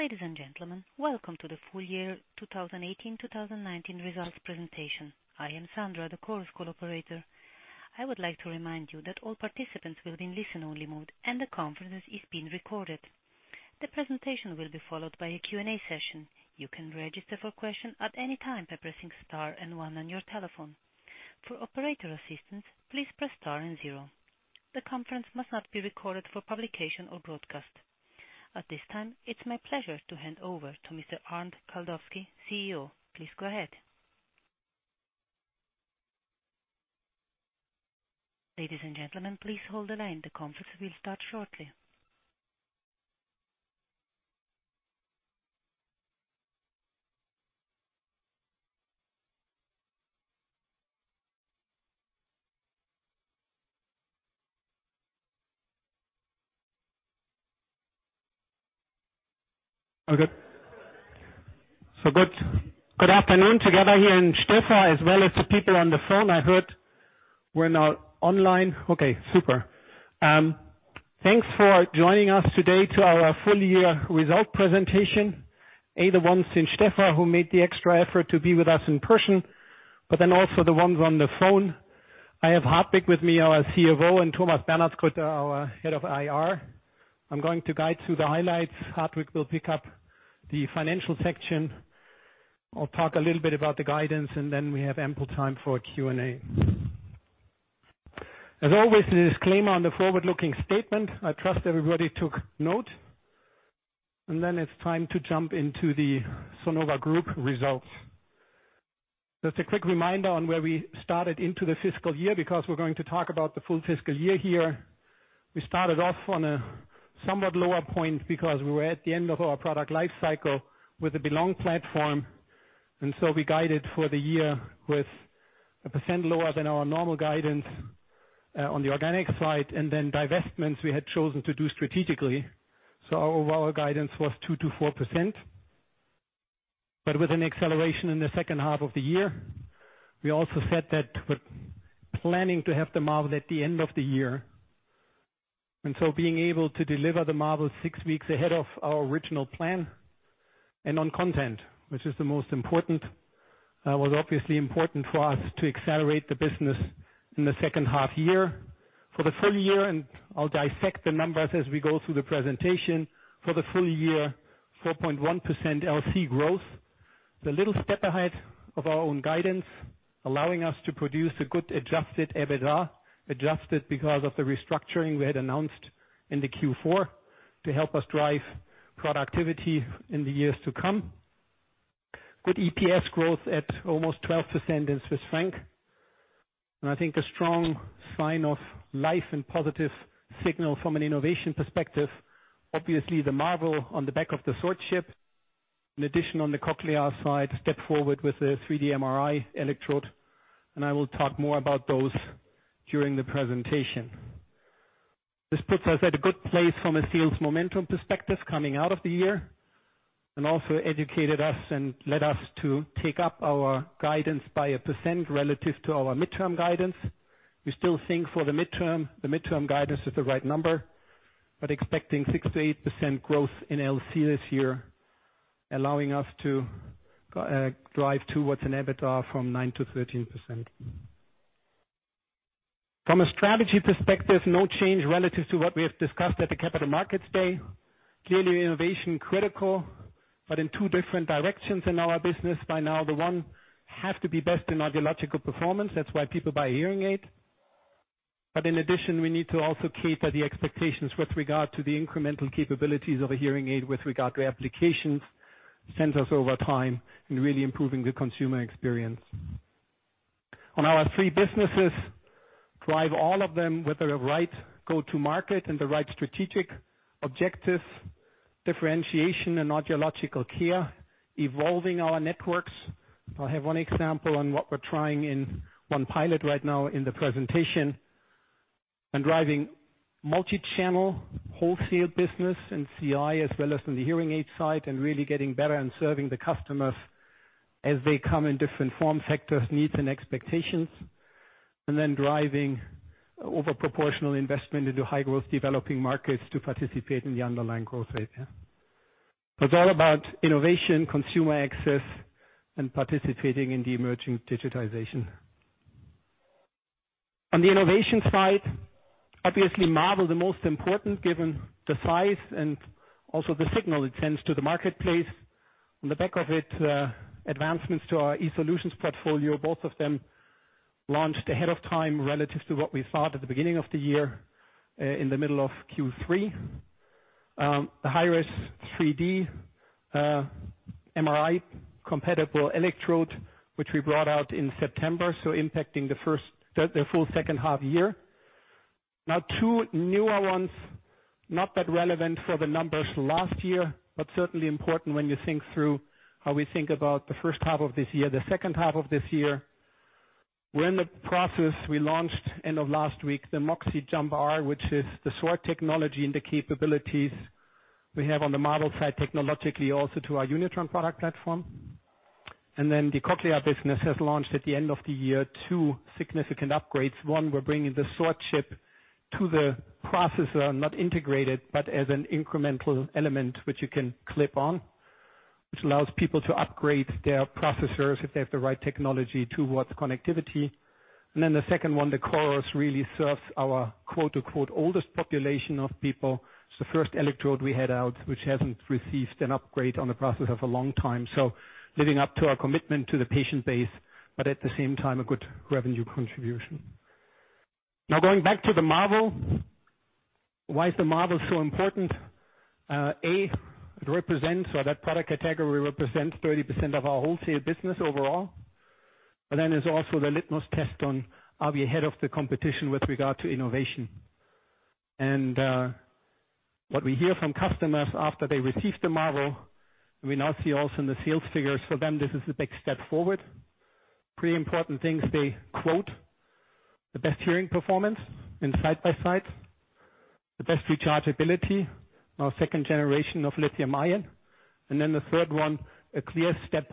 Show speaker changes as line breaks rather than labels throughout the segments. Ladies and gentlemen, welcome to the full year 2018/2019 results presentation. I am Sandra, the conference call operator. I would like to remind you that all participants will be in listen-only mode and the conference is being recorded. The presentation will be followed by a Q&A session. You can register for question at any time by pressing star and one on your telephone. For operator assistance, please press star and zero. The conference must not be recorded for publication or broadcast. At this time, it's my pleasure to hand over to Mr. Arnd Kaldowski, CEO. Please go ahead. Ladies and gentlemen, please hold the line. The conference will start shortly.
Good afternoon together here in Stäfa, as well as the people on the phone. I heard we're now online. Okay, super. Thanks for joining us today to our full year result presentation, the ones in Stäfa who made the extra effort to be with us in person, also the ones on the phone. I have Hartwig with me, our CFO, and Thomas Bernhardsgrütter our head of IR. I'm going to guide through the highlights. Hartwig will pick up the financial section. I'll talk a little bit about the guidance. We have ample time for Q&A. As always, the disclaimer on the forward-looking statement, I trust everybody took note. It's time to jump into the Sonova Group results. Just a quick reminder on where we started into the fiscal year, because we're going to talk about the full fiscal year here. We started off on a somewhat lower point because we were at the end of our product life cycle with the Belong platform. We guided for the year with one percent lower than our normal guidance, on the organic side and then divestments we had chosen to do strategically. Our overall guidance was 2%-4%. With an acceleration in the second half of the year, we also said that we're planning to have the Marvel at the end of the year. Being able to deliver the Marvel six weeks ahead of our original plan and on content, which is the most important, was obviously important for us to accelerate the business in the second half year. For the full year, I'll dissect the numbers as we go through the presentation. For the full year, 4.1% LC growth. It's a little step ahead of our own guidance, allowing us to produce a good adjusted EBITDA, adjusted because of the restructuring we had announced in the Q4 to help us drive productivity in the years to come. Good EPS growth at almost 12% in CHF. I think a strong sign of life and positive signal from an innovation perspective, obviously the Marvel on the back of the SWORD chip. In addition, on the cochlear side, step forward with the 3D MRI electrode. I will talk more about those during the presentation. This puts us at a good place from a sales momentum perspective coming out of the year and also educated us and led us to take up our guidance by one percent relative to our midterm guidance. We still think for the midterm, the midterm guidance is the right number, expecting 6%-8% growth in LC this year, allowing us to drive towards an EBITDA from 9%-13%. From a strategy perspective, no change relative to what we have discussed at the Capital Markets Day. Clearly innovation critical, but in two different directions in our business by now. The one have to be best in audiological performance. That's why people buy hearing aid. In addition, we need to also cater the expectations with regard to the incremental capabilities of a hearing aid with regard to applications, sensors over time, and really improving the consumer experience. On our three businesses, drive all of them with the right go-to-market and the right strategic objectives, differentiation and audiological care, evolving our networks. I have one example on what we're trying in one pilot right now in the presentation driving multichannel wholesale business and CI, as well as on the hearing aid side, really getting better and serving the customers as they come in different form factors, needs and expectations. Driving over proportional investment into high-growth developing markets to participate in the underlying growth rate. It's all about innovation, consumer access, participating in the emerging digitization. On the innovation side, obviously Marvel, the most important given the size and also the signal it sends to the marketplace. On the back of it, advancements to our eSolutions portfolio, both of them launched ahead of time relative to what we thought at the beginning of the year, in the middle of Q3. The high-res 3D MRI compatible electrode, which we brought out in September, impacting the full second half year. Now two newer ones, not that relevant for the numbers last year, but certainly important when you think through how we think about the first half of this year, the second half of this year. We're in the process we launched end of last week, the Moxi Jump R, which is the SWORD technology and the capabilities we have on the Marvel side technologically also to our Unitron product platform. The Cochlear business has launched at the end of the year two significant upgrades. One, we're bringing the SWORD chip to the processor, not integrated, but as an incremental element which you can clip on, which allows people to upgrade their processors if they have the right technology towards connectivity. The second one, the Chorus, really serves our "oldest population" of people. It's the first electrode we had out, which hasn't received an upgrade on the processor for a long time. Living up to our commitment to the patient base, but at the same time, a good revenue contribution. Going back to the Marvel. Why is the Marvel so important? A, it represents, or that product category represents 30% of our wholesale business overall. There's also the litmus test on are we ahead of the competition with regard to innovation? What we hear from customers after they receive the Marvel, and we now see also in the sales figures for them, this is a big step forward. Pretty important things they quote, the best hearing performance in side by side, the best rechargeability, our second generation of lithium-ion, the third one, a clear step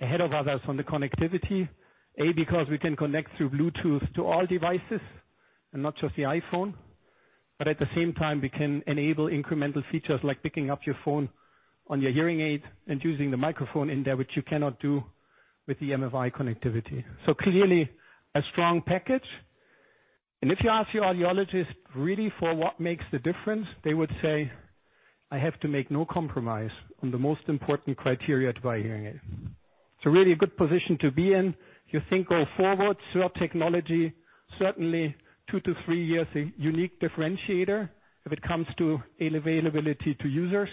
ahead of others on the connectivity. Because we can connect through Bluetooth to all devices and not just the iPhone, but at the same time, we can enable incremental features like picking up your phone on your hearing aid and using the microphone in there, which you cannot do with the MFI connectivity. Clearly a strong package. If you ask your audiologist really for what makes the difference, they would say, "I have to make no compromise on the most important criteria to buy a hearing aid." It's a really good position to be in if you think go forward, SWORD technology, certainly two to three years, a unique differentiator if it comes to availability to users.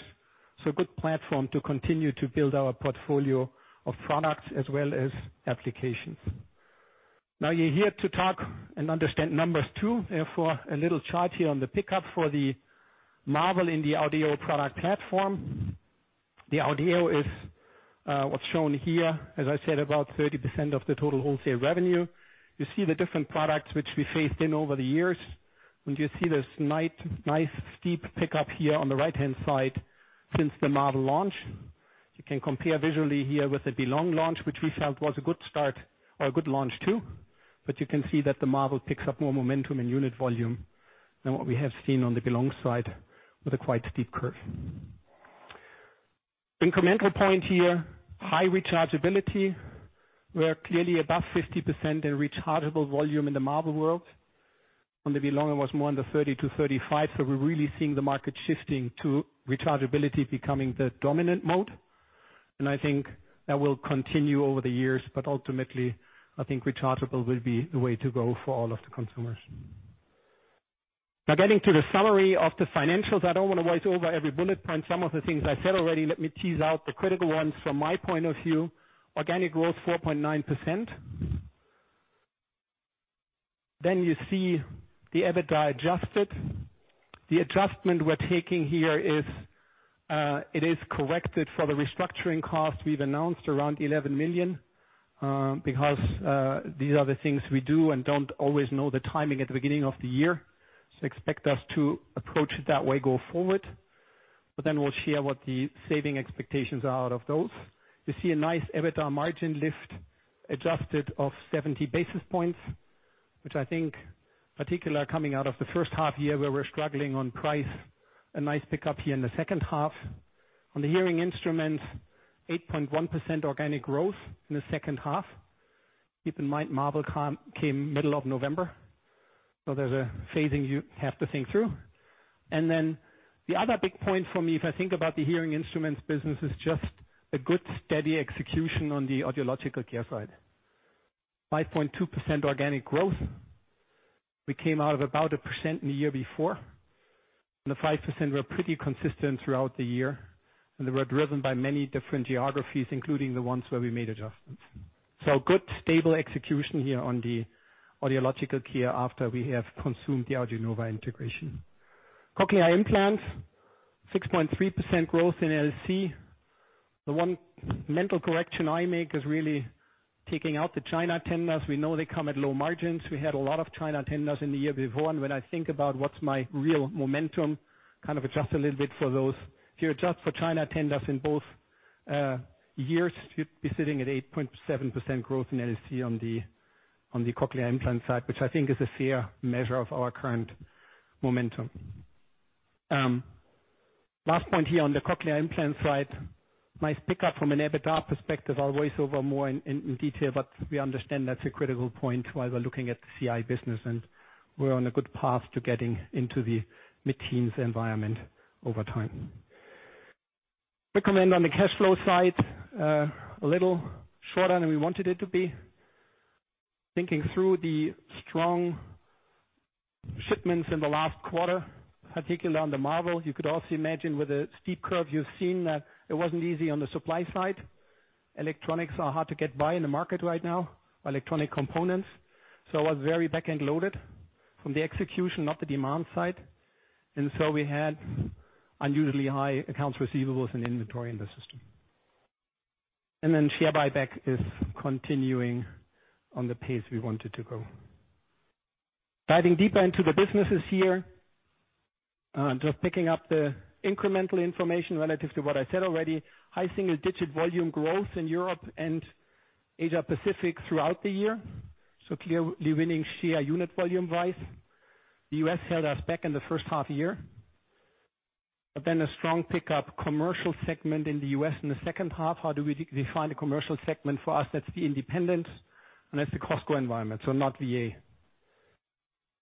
A good platform to continue to build our portfolio of products as well as applications. You're here to talk and understand numbers too. A little chart here on the pickup for the Marvel in the Audéo product platform. The Audéo is what's shown here, as I said, about 30% of the total wholesale revenue. You see the different products which we phased in over the years, you see this nice steep pickup here on the right-hand side since the Marvel launch. You can compare visually here with the Belong launch, which we felt was a good start or a good launch too. You can see that the Marvel picks up more momentum in unit volume than what we have seen on the Belong side with a quite steep curve. Incremental point here, high rechargeability. We're clearly above 50% in rechargeable volume in the Marvel world. On the Belong, it was more in the 30 to 35, we're really seeing the market shifting to rechargeability becoming the dominant mode, I think that will continue over the years, ultimately, I think rechargeable will be the way to go for all of the consumers. Getting to the summary of the financials, I don't want to voice over every bullet point. Some of the things I said already, let me tease out the critical ones from my point of view. Organic growth, 4.9%. You see the EBITDA adjusted. The adjustment we're taking here is, it is corrected for the restructuring cost we've announced around 11 million, these are the things we do and don't always know the timing at the beginning of the year. Expect us to approach it that way go forward, we'll share what the saving expectations are out of those. You see a nice EBITDA margin lift adjusted of 70 basis points, which I think particular coming out of the first half year, where we're struggling on price, a nice pickup here in the second half. On the hearing instruments, 8.1% organic growth in the second half. Keep in mind, Marvel came middle of November, there's a phasing you have to think through. The other big point for me, if I think about the hearing instruments business, is just a good, steady execution on the audiological care side. 5.2% organic growth. We came out of about 1% in the year before. The 5% were pretty consistent throughout the year. They were driven by many different geographies, including the ones where we made adjustments. Good, stable execution here on the Audiological Care after we have consumed the AudioNova integration. Cochlear implants, 6.3% growth in LC. The one mental correction I make is really taking out the China tenders. We know they come at low margins. We had a lot of China tenders in the year before. When I think about what's my real momentum, kind of adjust a little bit for those. If you adjust for China tenders in both years, you'd be sitting at 8.7% growth in LC on the cochlear implant side, which I think is a fair measure of our current momentum. Last point here on the cochlear implant side, nice pickup from an EBITDA perspective. I'll voice over more in detail, but we understand that's a critical point while we're looking at the CI business. We're on a good path to getting into the mid-teens environment over time. Quick comment on the cash flow side, a little shorter than we wanted it to be. Thinking through the strong shipments in the last quarter, particularly on the Marvel, you could also imagine with the steep curve you've seen that it wasn't easy on the supply side. Electronics are hard to get by in the market right now, electronic components. It was very back-end loaded from the execution, not the demand side. We had unusually high accounts receivables and inventory in the system. Share buyback is continuing on the pace we want it to go. Diving deeper into the businesses here. Just picking up the incremental information relative to what I said already. High single-digit volume growth in Europe and Asia Pacific throughout the year. Clearly winning share unit volume-wise. The U.S. held us back in the first half year. A strong pickup commercial segment in the U.S. in the second half. How do we define the commercial segment? For us, that's the independent and that's the Costco environment, so not VA.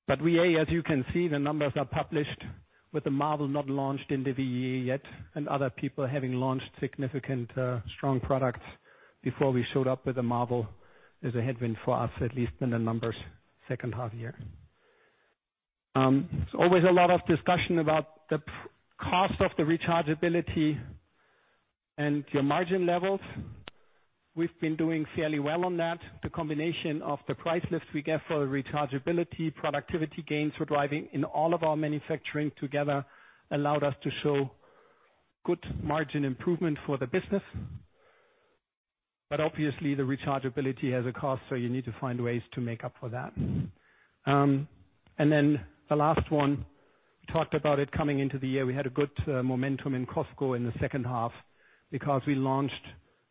VA, as you can see, the numbers are published with the Marvel not launched in the VA yet. Other people having launched significant strong products before we showed up with the Marvel, is a headwind for us, at least in the numbers second half year. Always a lot of discussion about the cost of the rechargeability and your margin levels. We've been doing fairly well on that. The combination of the price lifts we get for rechargeability, productivity gains we're driving in all of our manufacturing together allowed us to show good margin improvement for the business. Obviously the rechargeability has a cost. You need to find ways to make up for that. The last one, talked about it coming into the year. We had a good momentum in Costco in the second half because we launched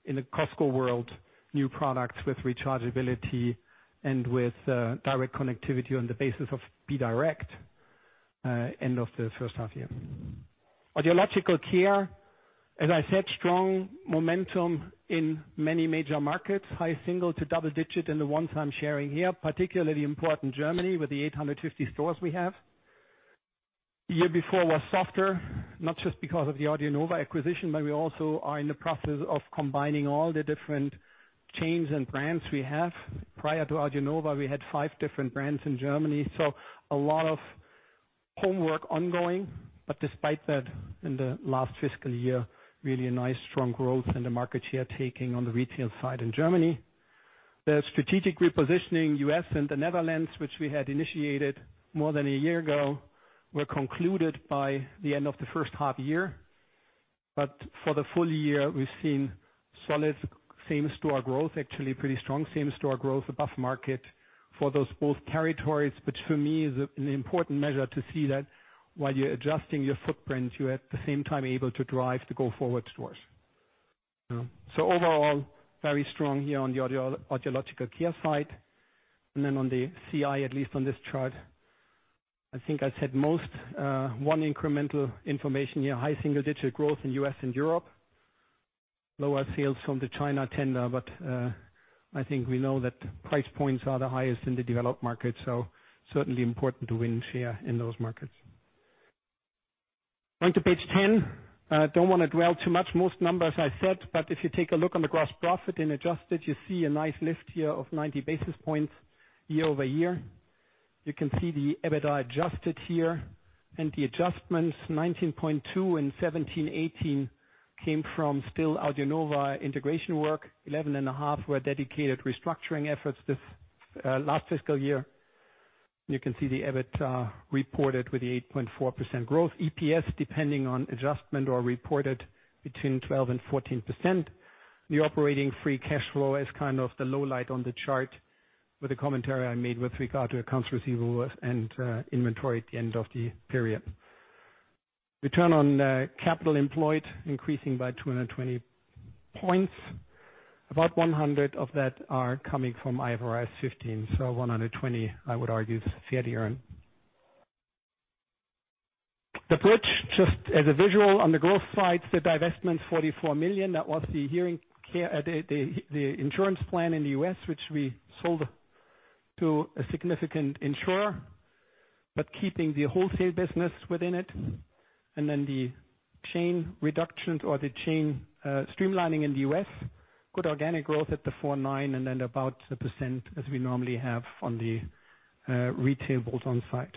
in the Costco world, new products with rechargeability and with direct connectivity on the basis of Audéo B-Direct, end of the first half year. Audiological Care, as I said, strong momentum in many major markets. High single to double digit in the one time sharing here, particularly important Germany with the 850 stores we have. Year before was softer, not just because of the AudioNova acquisition, but we also are in the process of combining all the different chains and brands we have. Prior to AudioNova, we had five different brands in Germany, so a lot of homework ongoing, but despite that, in the last fiscal year, really a nice strong growth in the market share taking on the retail side in Germany. The strategic repositioning U.S. and the Netherlands, which we had initiated more than a year ago, were concluded by the end of the first half year. For the full year, we've seen solid same store growth, actually pretty strong same store growth above market for those both territories, which for me is an important measure to see that while you're adjusting your footprint, you at the same time able to drive to go forward stores. Overall, very strong here on the Audiological Care side. On the CI, at least on this chart, I think I said most, one incremental information here, high single digit growth in U.S. and Europe. Lower sales from the China tender, but, I think we know that price points are the highest in the developed market, so certainly important to win share in those markets. Going to page 10. Don't want to dwell too much. Most numbers I said, if you take a look on the gross profit and adjust it, you see a nice lift here of 90 basis points year-over-year. You can see the EBITDA adjusted here and the adjustments, 19.2 and 17.8 came from still AudioNova integration work. 11 and a half were dedicated restructuring efforts this last fiscal year. You can see the EBITDA reported with the 8.4% growth. EPS, depending on adjustment or reported between 12% and 14%. The operating free cash flow is the low light on the chart with the commentary I made with regard to accounts receivable and inventory at the end of the period. Return on capital employed increasing by 220 points. About 100 of that are coming from IFRS 15, 120, I would argue, is fair to earn. The bridge, just as a visual on the growth side, the divestment, 44 million, that was the hearing care, the insurance plan in the U.S., which we sold to a significant insurer, but keeping the wholesale business within it. The chain reduction or the chain streamlining in the U.S. Good organic growth at the 4.9% and then about 1% as we normally have on the retail bolt-on site.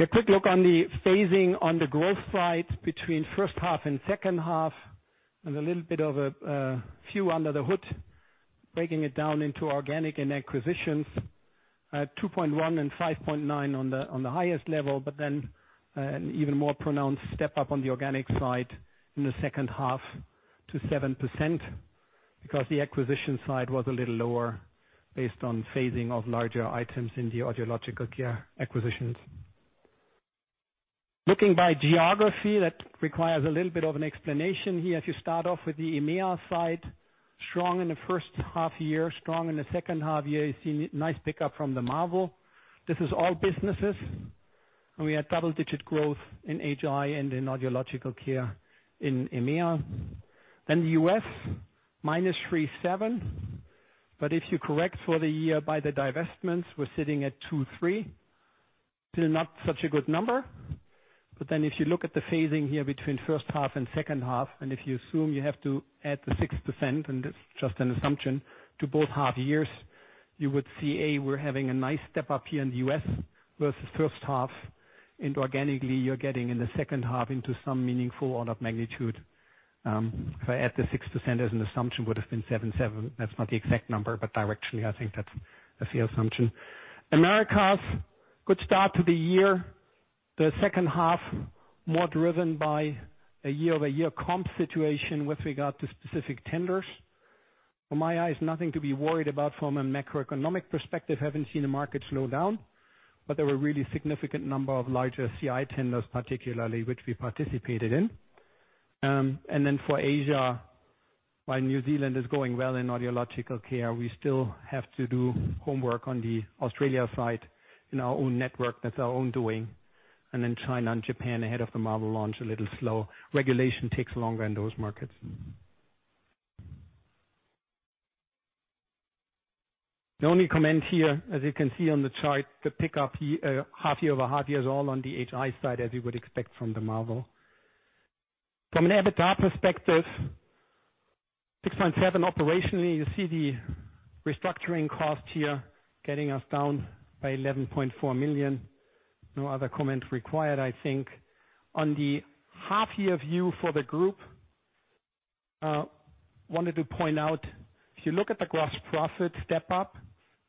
A quick look on the phasing on the growth side between first half and second half, a little bit of a few under the hood, breaking it down into organic and acquisitions. 2.1% and 5.9% on the highest level, an even more pronounced step up on the organic side in the second half to 7%, because the acquisition side was a little lower based on phasing of larger items in the Audiological Care acquisitions. Looking by geography, that requires a little bit of an explanation here. If you start off with the EMEA side, strong in the first half year, strong in the second half year. You see nice pickup from the Marvel. This is all businesses, and we had double-digit growth in HI and in Audiological Care in EMEA. The U.S., minus 3.7%. If you correct for the year by the divestments, we're sitting at 2.3%. Still not such a good number. If you look at the phasing here between first half and second half, and if you assume you have to add the 6%, and it's just an assumption, to both half years, you would see, A, we're having a nice step up here in the U.S. versus first half, and organically, you're getting in the second half into some meaningful order of magnitude. If I add the 6% as an assumption, would've been 7.7%. That's not the exact number, but directionally, I think that's a fair assumption. Americas, good start to the year. The second half, more driven by a year-over-year comp situation with regard to specific tenders. From my eyes, nothing to be worried about from a macroeconomic perspective, haven't seen the market slow down, but there were really significant number of larger CI tenders, particularly, which we participated in. For Asia, while New Zealand is going well in Audiological Care, we still have to do homework on the Australia side in our own network, that's our own doing. China and Japan ahead of the Marvel launch, a little slow. Regulation takes longer in those markets. The only comment here, as you can see on the chart, the pickup half year-over-half year is all on the HI side, as you would expect from the Marvel. From an EBITDA perspective, 6.7% operationally. You see the restructuring cost here getting us down by 11.4 million. No other comment required, I think. On the half-year view for the group, wanted to point out, if you look at the gross profit step up,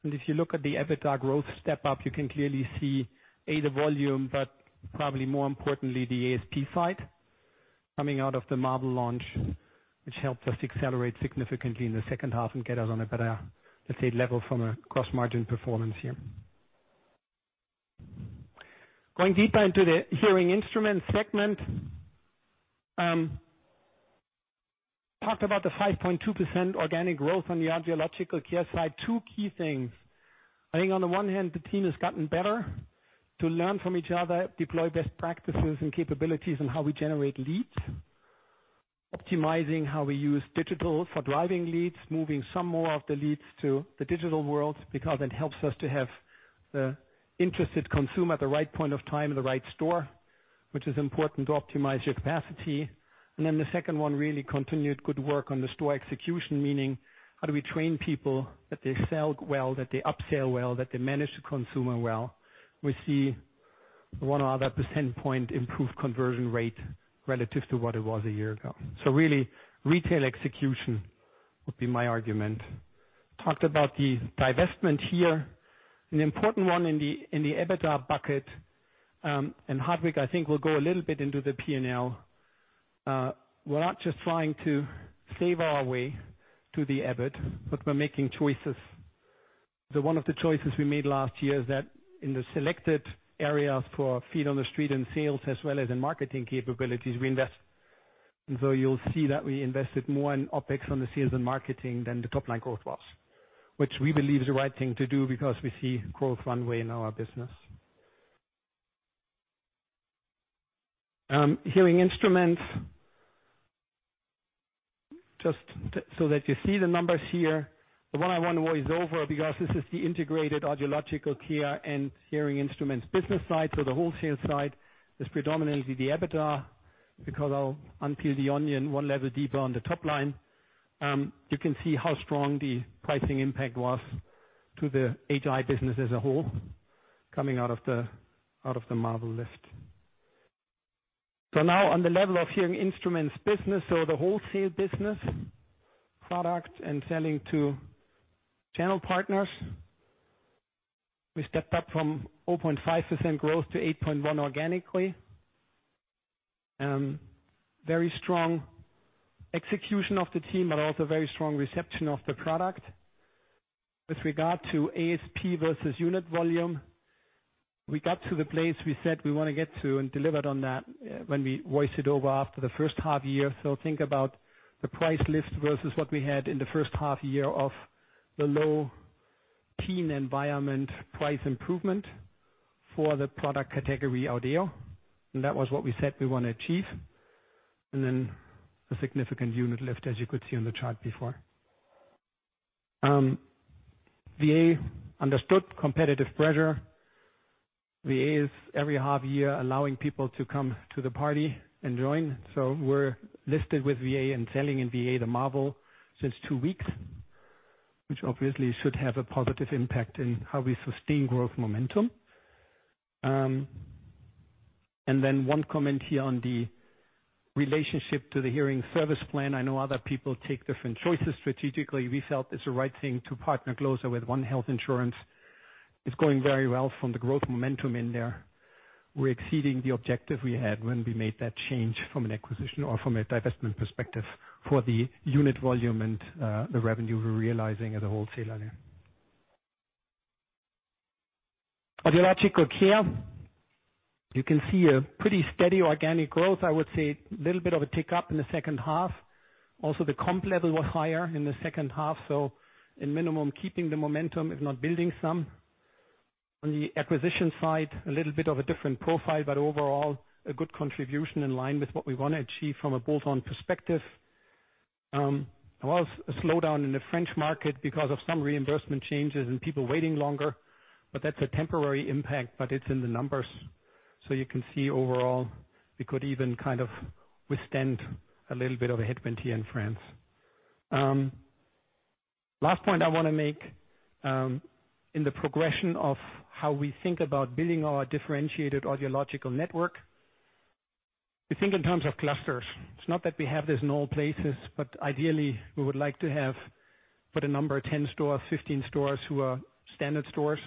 and if you look at the EBITDA growth step up, you can clearly see A, the volume, but probably more importantly, the ASP side coming out of the Marvel launch, which helped us accelerate significantly in the second half and get us on a better, let's say, level from a cross-margin performance here. Going deeper into the hearing instrument segment. Talked about the 5.2% organic growth on the Audiological Care side. Two key things. I think on the one hand, the team has gotten better to learn from each other, deploy best practices and capabilities on how we generate leads, optimizing how we use digital for driving leads, moving some more of the leads to the digital world, because it helps us to have the interested consumer at the right point of time in the right store, which is important to optimize your capacity. The second one, really continued good work on the store execution, meaning how do we train people that they sell well, that they upsell well, that they manage the consumer well. We see 1 other percent point improve conversion rate relative to what it was a year ago. Really, retail execution would be my argument. Talked about the divestment here. An important one in the EBITDA bucket. Hartwig, I think, will go a little bit into the P&L. We're not just trying to save our way to the EBIT, but we're making choices. One of the choices we made last year is that in the selected areas for feet on the street and sales as well as in marketing capabilities, we invest. You'll see that we invested more in OpEx on the sales and marketing than the top-line growth was. Which we believe is the right thing to do because we see growth runway in our business. Hearing instruments. Just so that you see the numbers here. The one I want to voice over, because this is the integrated Audiological Care and hearing instruments business side. The wholesale side is predominantly the EBITDA, because I'll unpeel the onion 1 level deeper on the top line. You can see how strong the pricing impact was to the HI business as a whole coming out of the Marvel lift. On the level of hearing instruments business, the wholesale business product and selling to channel partners, we stepped up from 0.5% growth to 8.1% organically. Very strong execution of the team, but also very strong reception of the product. With regard to ASP versus unit volume, we got to the place we said we want to get to and delivered on that when we voiced it over after the first half year. Think about the price list versus what we had in the first half year of the low teen environment price improvement for the product category Audéo, and that was what we said we want to achieve. A significant unit lift, as you could see on the chart before. VA understood competitive pressure. VA is every half year allowing people to come to the party and join. We're listed with VA and selling in VA the Marvel since 2 weeks, which obviously should have a positive impact in how we sustain growth momentum. 1 comment here on the relationship to the hearing service plan. I know other people take different choices strategically. We felt it's the right thing to partner closer with One Health Insurance. It's going very well from the growth momentum in there. We're exceeding the objective we had when we made that change from an acquisition or from a divestment perspective for the unit volume and the revenue we're realizing at the wholesale level. Audiological Care. You can see a pretty steady organic growth. I would say little bit of a tick up in the second half. The comp level was higher in the second half. At a minimum, keeping the momentum, if not building some. On the acquisition side, a little bit of a different profile, overall, a good contribution in line with what we want to achieve from a bolt-on perspective. There was a slowdown in the French market because of some reimbursement changes and people waiting longer, that's a temporary impact, but it's in the numbers. You can see overall, we could even kind of withstand a little bit of a headwind here in France. Last point I want to make, in the progression of how we think about building our differentiated audiological network. We think in terms of clusters. It's not that we have this in all places, ideally we would like to have, put a number, 10 stores, 15 stores who are standard stores,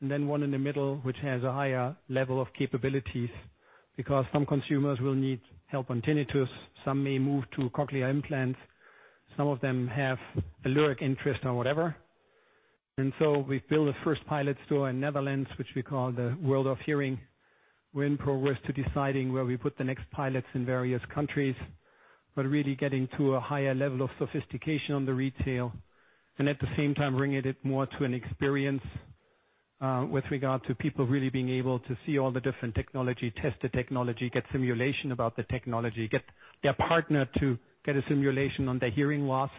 and then one in the middle, which has a higher level of capabilities because some consumers will need help on tinnitus, some may move to cochlear implants, some of them have allergic interest or whatever. We've built a first pilot store in the Netherlands, which we call the World of Hearing. We're in progress to deciding where we put the next pilots in various countries, really getting to a higher level of sophistication on the retail and at the same time bring it more to an experience, with regard to people really being able to see all the different technology, test the technology, get simulation about the technology, get their partner to get a simulation on their hearing loss.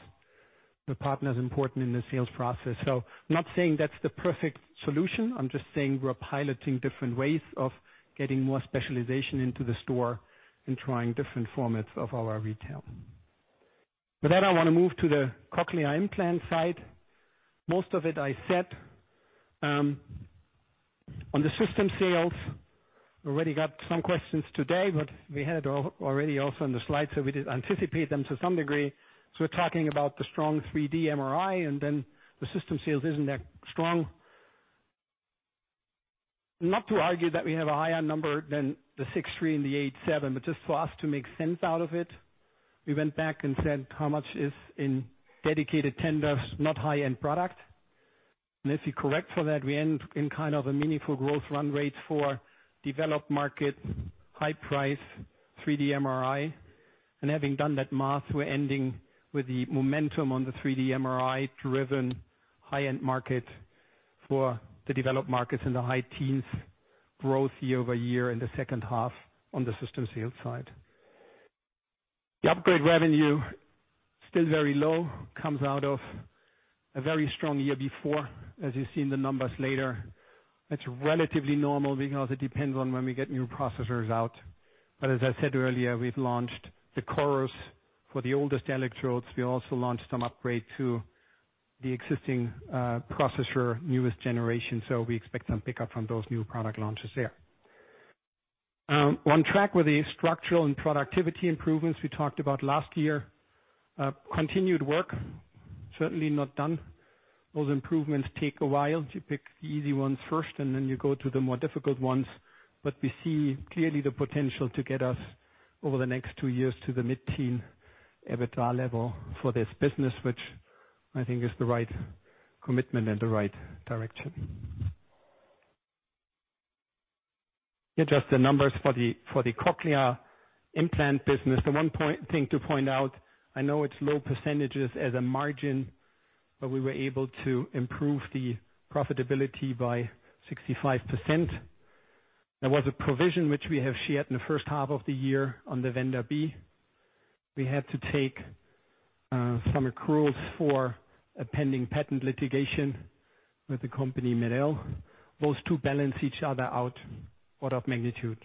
The partner is important in the sales process. I'm not saying that's the perfect solution. I'm just saying we're piloting different ways of getting more specialization into the store and trying different formats of our retail. With that, I want to move to the cochlear implant side. Most of it I said. On the system sales, already got some questions today, we had already also on the slide, we did anticipate them to some degree. We're talking about the strong 3D MRI and then the system sales isn't that strong. Not to argue that we have a higher number than the 63 and the 87, just for us to make sense out of it, we went back and said how much is in dedicated tenders, not high-end product. If you correct for that, we end in kind of a meaningful growth run rate for developed markets, high price 3D MRI. Having done that math, we're ending with the momentum on the 3D MRI driven high-end market for the developed markets in the high teens growth year-over-year in the second half on the systems sales side. The upgrade revenue, still very low, comes out of a very strong year before, as you see in the numbers later. That's relatively normal because it depends on when we get new processors out. As I said earlier, we've launched the cores for the oldest electrodes. We also launched some upgrade to the existing processor newest generation, we expect some pickup from those new product launches there. On track with the structural and productivity improvements we talked about last year, continued work, certainly not done. Those improvements take a while. You pick the easy ones first, then you go to the more difficult ones. We see clearly the potential to get us over the next two years to the mid-teen EBITDA level for this business, which I think is the right commitment and the right direction. Here are just the numbers for the cochlear implant business. The one thing to point out, I know it's low percentages as a margin, but we were able to improve the profitability by 65%. There was a provision which we have shared in the first half of the year on the vendor B. We had to take some accruals for a pending patent litigation with the company MED-EL. Those two balance each other out, order of magnitude.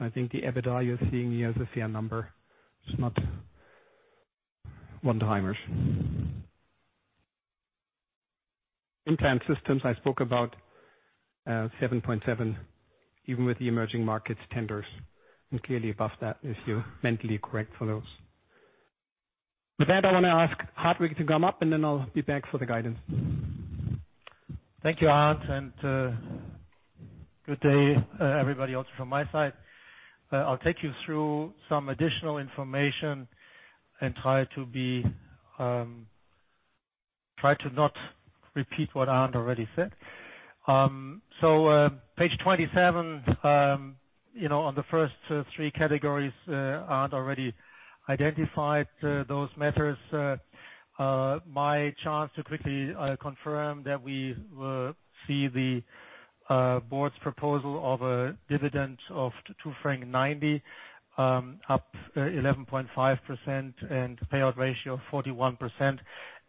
I think the EBITDA you're seeing here is a fair number. It's not one-timers. Implant systems I spoke about, 7.7, even with the emerging markets tenders and clearly above that if you mentally correct for those. With that, I want to ask Hartwig to come up, then I'll be back for the guidance.
Thank you, Arnd, good day everybody else from my side. I'll take you through some additional information and try to not repeat what Arnd already said. Page 27, on the first three categories, Arnd already identified those matters. My chance to quickly confirm that we will see the board's proposal of a dividend of CHF 2.90, up 11.5% and payout ratio of 41%,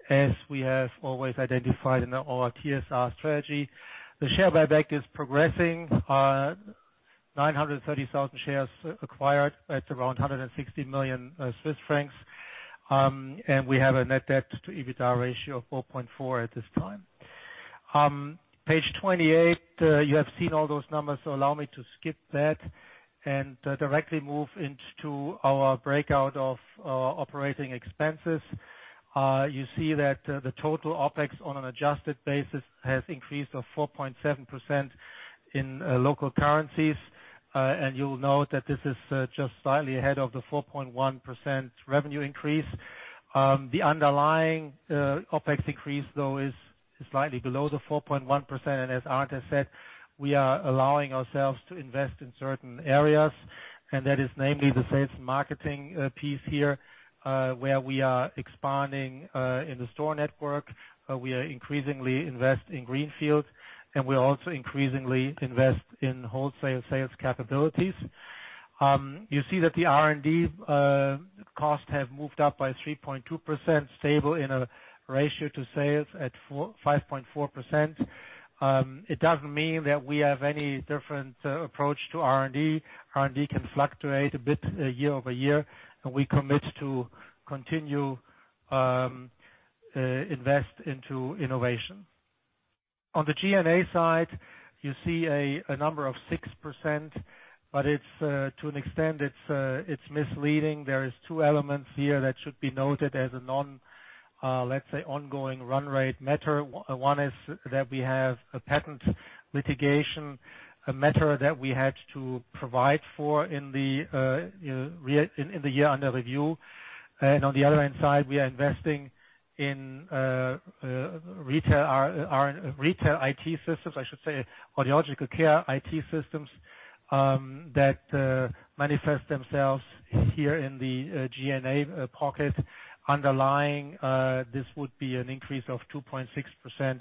as we have always identified in our TSR strategy. The share buyback is progressing. 930,000 shares acquired at around 160 million Swiss francs. We have a net debt to EBITDA ratio of 4.4 at this time. Page 28, you have seen all those numbers, allow me to skip that and directly move into our breakout of operating expenses. You see that the total OpEx on an adjusted basis has increased of 4.7% in local currencies. You'll note that this is just slightly ahead of the 4.1% revenue increase. The underlying OpEx increase though is slightly below the 4.1%. As Arnd has said, we are allowing ourselves to invest in certain areas, that is namely the sales marketing piece here, where we are expanding in the store network. We are increasingly invest in greenfield, we are also increasingly invest in wholesale sales capabilities. You see that the R&D costs have moved up by 3.2%, stable in a ratio to sales at 5.4%. It doesn't mean that we have any different approach to R&D. R&D can fluctuate a bit year-over-year. We commit to continue invest into innovation. On the G&A side, you see a number of 6%, to an extent, it's misleading. There are two elements here that should be noted as a non, let's say, ongoing run rate matter. One is that we have a patent litigation matter that we had to provide for in the year under review. On the other hand side, we are investing in our retail IT systems, I should say audiological care IT systems that manifest themselves here in the G&A pocket. Underlying, this would be an increase of 2.6%,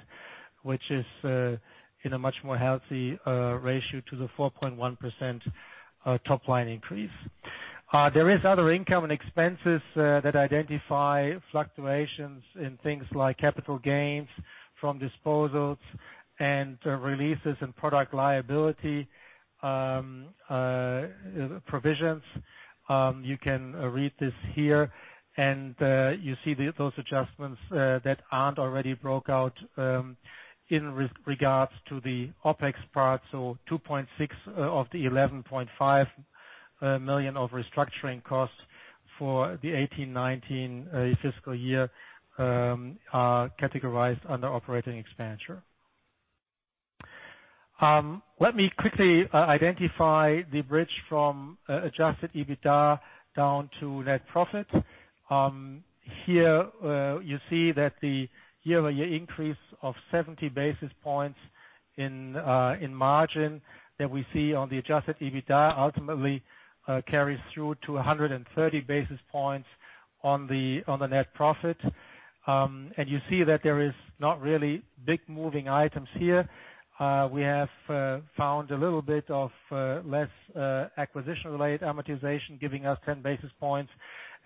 which is in a much more healthy ratio to the 4.1% top-line increase. There is other income and expenses that identify fluctuations in things like capital gains from disposals and releases in product liability provisions. You can read this here, and you see those adjustments that Arnd already broke out in regards to the OpEx part. 2.6 of the 11.5 million of restructuring costs for the 2018, 2019 fiscal year are categorized under operating expenditure. Let me quickly identify the bridge from adjusted EBITDA down to net profit. Here, you see that the year-over-year increase of 70 basis points in margin that we see on the adjusted EBITDA ultimately carries through to 130 basis points on the net profit. You see that there is not really big moving items here. We have found a little bit of less acquisition-related amortization, giving us 10 basis points.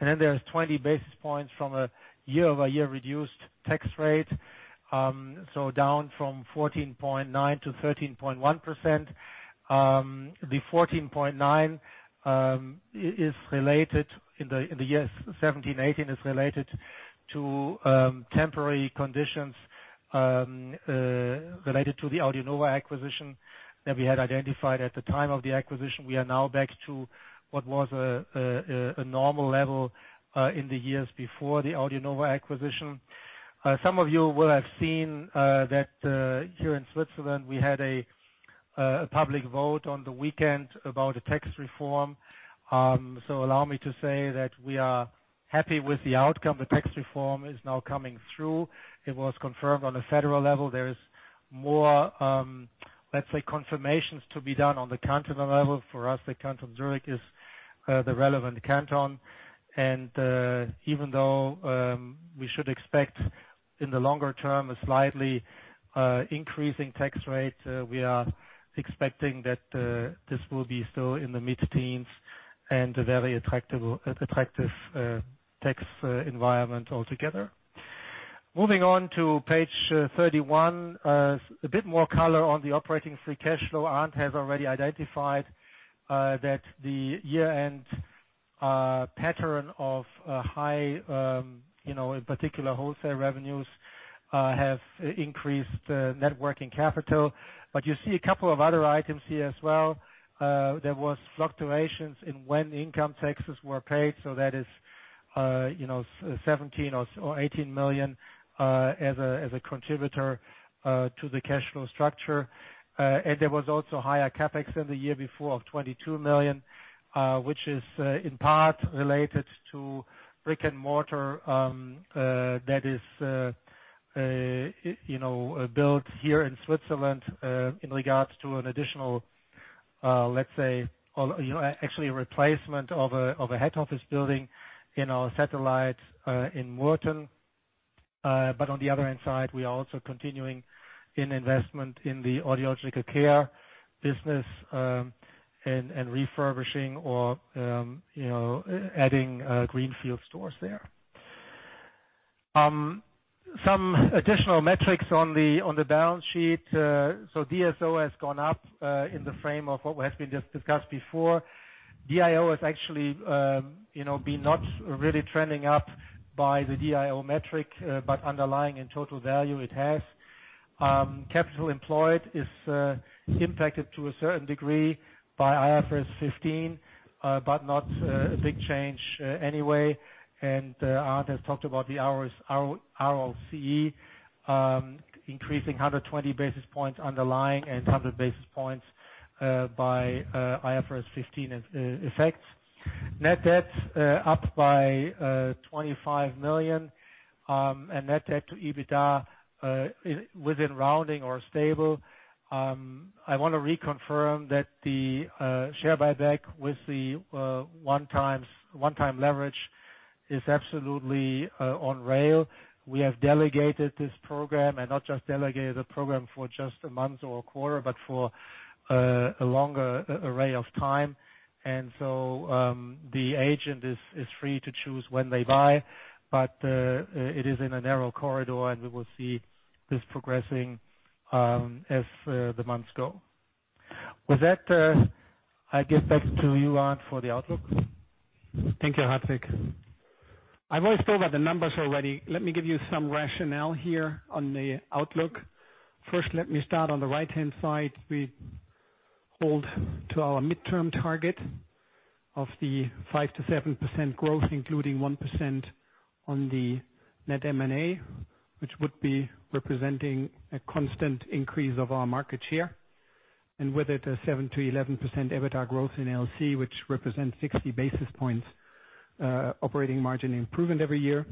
Then there's 20 basis points from a year-over-year reduced tax rate. Down from 14.9% to 13.1%. The 14.9% in the years 2017, 2018 is related to temporary conditions related to the AudioNova acquisition that we had identified at the time of the acquisition. We are now back to what was a normal level in the years before the AudioNova acquisition. Some of you will have seen that here in Switzerland, we had a public vote on the weekend about a tax reform. Allow me to say that we are happy with the outcome. The tax reform is now coming through. It was confirmed on a federal level. There is more, let's say, confirmations to be done on the canton level. For us, the Canton Zurich is the relevant canton. Even though we should expect in the longer term a slightly increasing tax rate, we are expecting that this will be still in the mid-teens and a very attractive tax environment altogether. Moving on to page 31. A bit more color on the operating free cash flow. Arnd has already identified that the year-end pattern of high, in particular wholesale revenues, have increased net working capital. You see a couple of other items here as well. There was fluctuations in when income taxes were paid, that is 17 million or 18 million as a contributor to the cash flow structure. There was also higher CapEx than the year before of 22 million, which is in part related to brick and mortar that is built here in Switzerland in regards to an additional, let's say, actually a replacement of a head office building in our satellite in Murten. On the other hand side, we are also continuing in investment in the audiological care business and refurbishing or adding greenfield stores there. Some additional metrics on the balance sheet. DSO has gone up in the frame of what has been just discussed before. DIO has actually been not really trending up by the DIO metric, but underlying in total value, it has. Capital employed is impacted to a certain degree by IFRS 15, but not a big change anyway. Arnd has talked about the ROCE increasing 120 basis points underlying and 100 basis points by IFRS 15 effects. Net debt up by 25 million, net debt to EBITDA within rounding or stable. I want to reconfirm that the share buyback with the one-time leverage is absolutely on rail. We have delegated this program and not just delegated the program for just a month or a quarter, but for a longer array of time. The agent is free to choose when they buy, but it is in a narrow corridor, and we will see this progressing as the months go. With that, I give back to you, Arnd, for the outlook.
Thank you, Hartwig. I've always spoke about the numbers already. Let me give you some rationale here on the outlook. First, let me start on the right-hand side. We hold to our midterm target of the 5%-7% growth, including 1% on the net M&A, which would be representing a constant increase of our market share. With it, a 7%-11% EBITDA growth in LC, which represents 60 basis points operating margin improvement every year.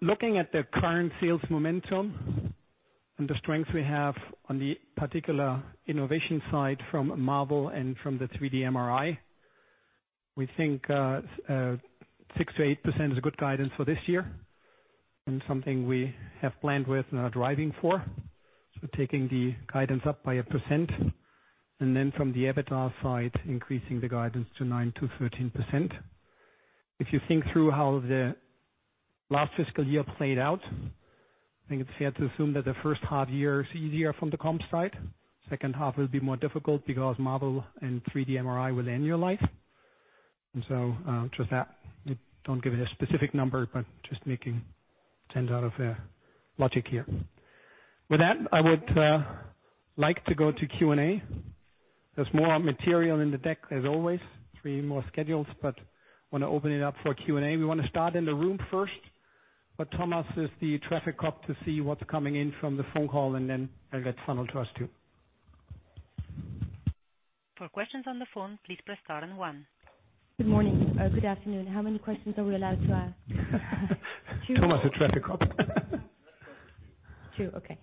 Looking at the current sales momentum and the strength we have on the particular innovation side from Marvel and from the 3D MRI, we think 6%-8% is a good guidance for this year, and something we have planned with and are driving for. Taking the guidance up by 1%, and then from the EBITDA side, increasing the guidance to 9%-13%. If you think through how the last fiscal year played out, I think it's fair to assume that the first half-year is easier from the comp side. Second half will be more difficult because Marvel and 3D MRI were in your life. Just that. I don't give it a specific number, but just making sense out of logic here. With that, I would like to go to Q&A. There's more material in the deck as always, three more schedules, but want to open it up for Q&A. We want to start in the room first, but Thomas is the traffic cop to see what's coming in from the phone call, and then it'll get funneled to us, too.
For questions on the phone, please press star and one.
Good morning. Good afternoon. How many questions are we allowed to ask?
Thomas, the traffic cop.
Two.
Two. Okay.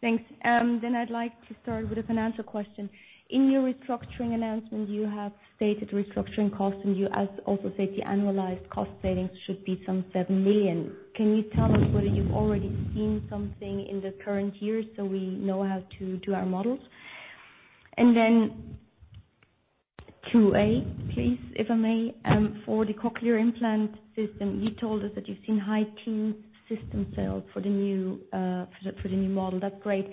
Thanks. I'd like to start with a financial question. In your restructuring announcement, you have stated restructuring costs, and you also said the annualized cost savings should be some seven million. Can you tell us whether you've already seen something in the current year, so we know how to do our models? Two A, please, if I may, for the cochlear implant system, you told us that you've seen high teen system sales for the new model. That's great.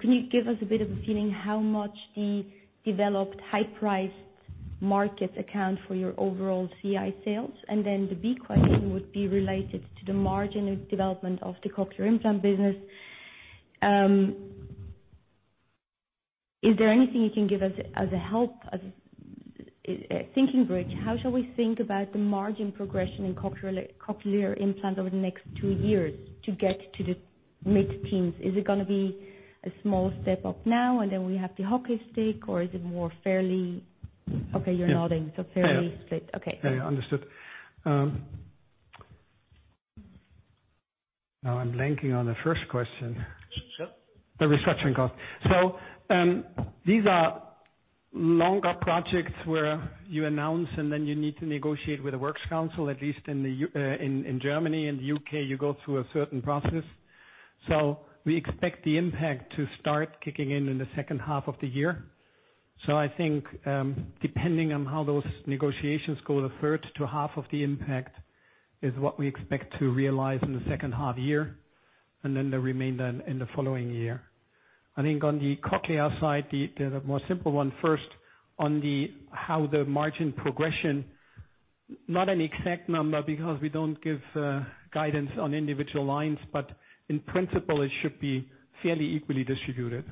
Can you give us a bit of a feeling how much the developed high-priced markets account for your overall CI sales? The B question would be related to the margin of development of the cochlear implant business. Is there anything you can give us as a help, as a thinking bridge? How shall we think about the margin progression in cochlear implants over the next two years to get to the mid-teens? Is it going to be a small step up now, and then we have the hockey stick, or is it more fairly? Okay, you're nodding. Fairly split. Okay.
Understood. I'm blanking on the first question.
Sir?
The restructuring cost. These are longer projects where you announce, and then you need to negotiate with the works council, at least in Germany and the U.K., you go through a certain process. We expect the impact to start kicking in in the second half of the year. I think, depending on how those negotiations go, a third to half of the impact is what we expect to realize in the second half year, and then the remainder in the following year. I think on the Cochlear side, the more simple one first on how the margin progression, not an exact number because we don't give guidance on individual lines, but in principle, it should be fairly equally distributed.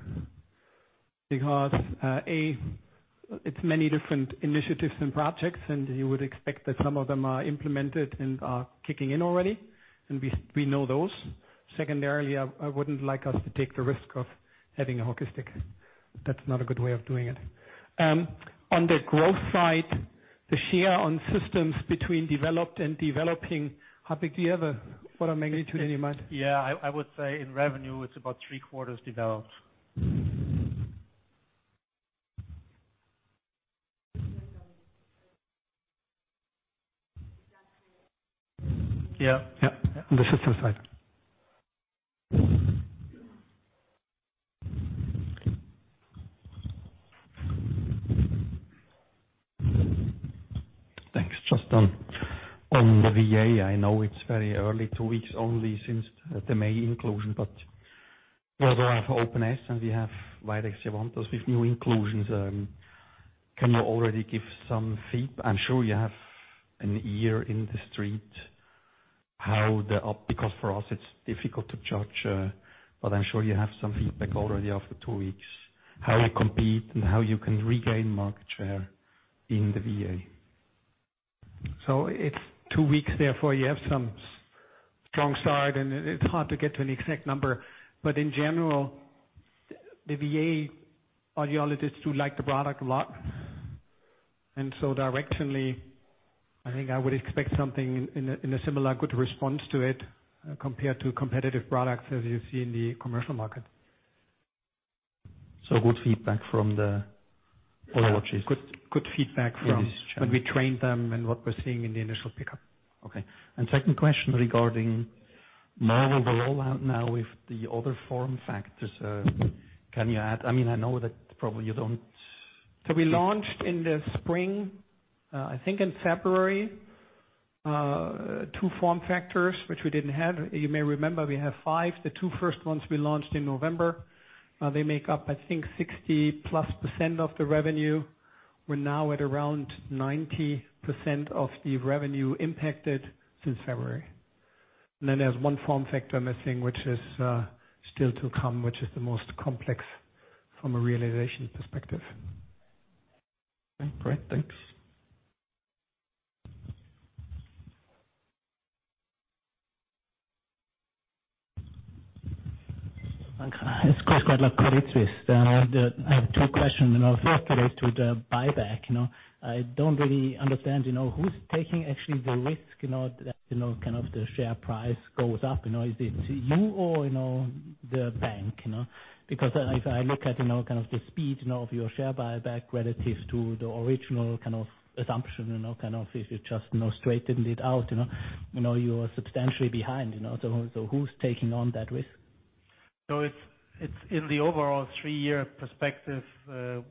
A, it's many different initiatives and projects, and you would expect that some of them are implemented and are kicking in already. We know those. Secondarily, I wouldn't like us to take the risk of having a hockey stick. That's not a good way of doing it. On the growth side, the share on systems between developed and developing, Hartwig, do you have a magnitude in your mind?
Yeah, I would say in revenue, it's about three-quarters developed.
Yeah. On the system side.
Thanks. Just on the VA, I know it's very early, two weeks only since the May inclusion, although I have Opn S and we have Widex Evoke with new inclusions, can you already give some feed? I'm sure you have an ear in the street. For us, it's difficult to judge. I'm sure you have some feedback already after two weeks, how you compete and how you can regain market share in the VA.
It's two weeks, therefore you have some strong side, and it's hard to get to an exact number. In general, the VA audiologists do like the product a lot. Directionally, I think I would expect something in a similar good response to it compared to competitive products as you see in the commercial market.
Good feedback from the audiologists?
Good feedback from when we trained them and what we're seeing in the initial pickup.
Okay. Second question regarding Marvel, the rollout now with the other form factors. Can you I know that probably you don't
We launched in the spring, I think in February, two form factors, which we didn't have. You may remember we have five. The two first ones we launched in November. They make up, I think, 60+% of the revenue. We're now at around 90% of the revenue impacted since February. There's one form factor missing which is still to come, which is the most complex from a realization perspective.
Great. Thanks.
It's Chris, Credit Suisse. I have two questions. First relates to the buyback. I don't really understand who's taking actually the risk that the share price goes up. Is it you or the bank? If I look at the speed of your share buyback relative to the original assumption, if you just straightened it out, you're substantially behind, who's taking on that risk?
It's in the overall three-year perspective.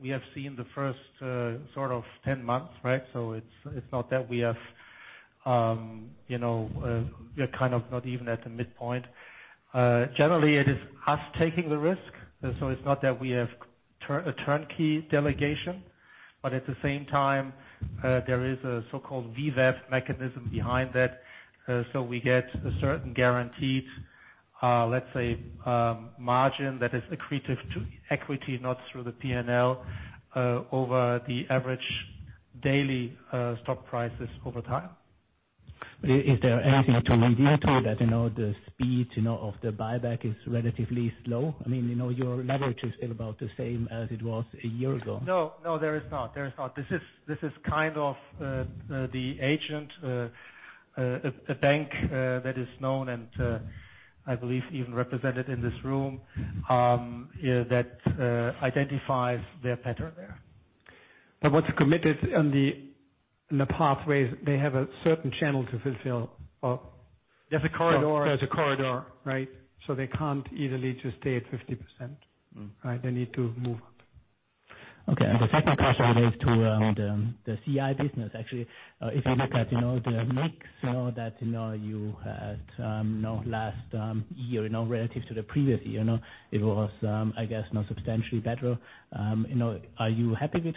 We have seen the first 10 months, right? We're not even at the midpoint. Generally, it is us taking the risk. It's not that we have a turnkey delegation. At the same time, there is a so-called VWAP mechanism behind that. We get a certain guaranteed, let's say, margin that is accretive to equity, not through the P&L, over the average daily stock prices over time.
Is there anything to lead you to that? The speed of the buyback is relatively slow. Your leverage is still about the same as it was a year ago.
No. There is not. This is the agent, a bank that is known and, I believe, even represented in this room, that identifies their pattern there.
What's committed in the pathways, they have a certain channel to fulfill.
There's a corridor.
There's a corridor, right? They can't easily just stay at 50%. Right? They need to move up.
Okay. The second question relates to the CI business. Actually, if you look at the mix that you had last year relative to the previous year. It was, I guess, substantially better. Are you happy with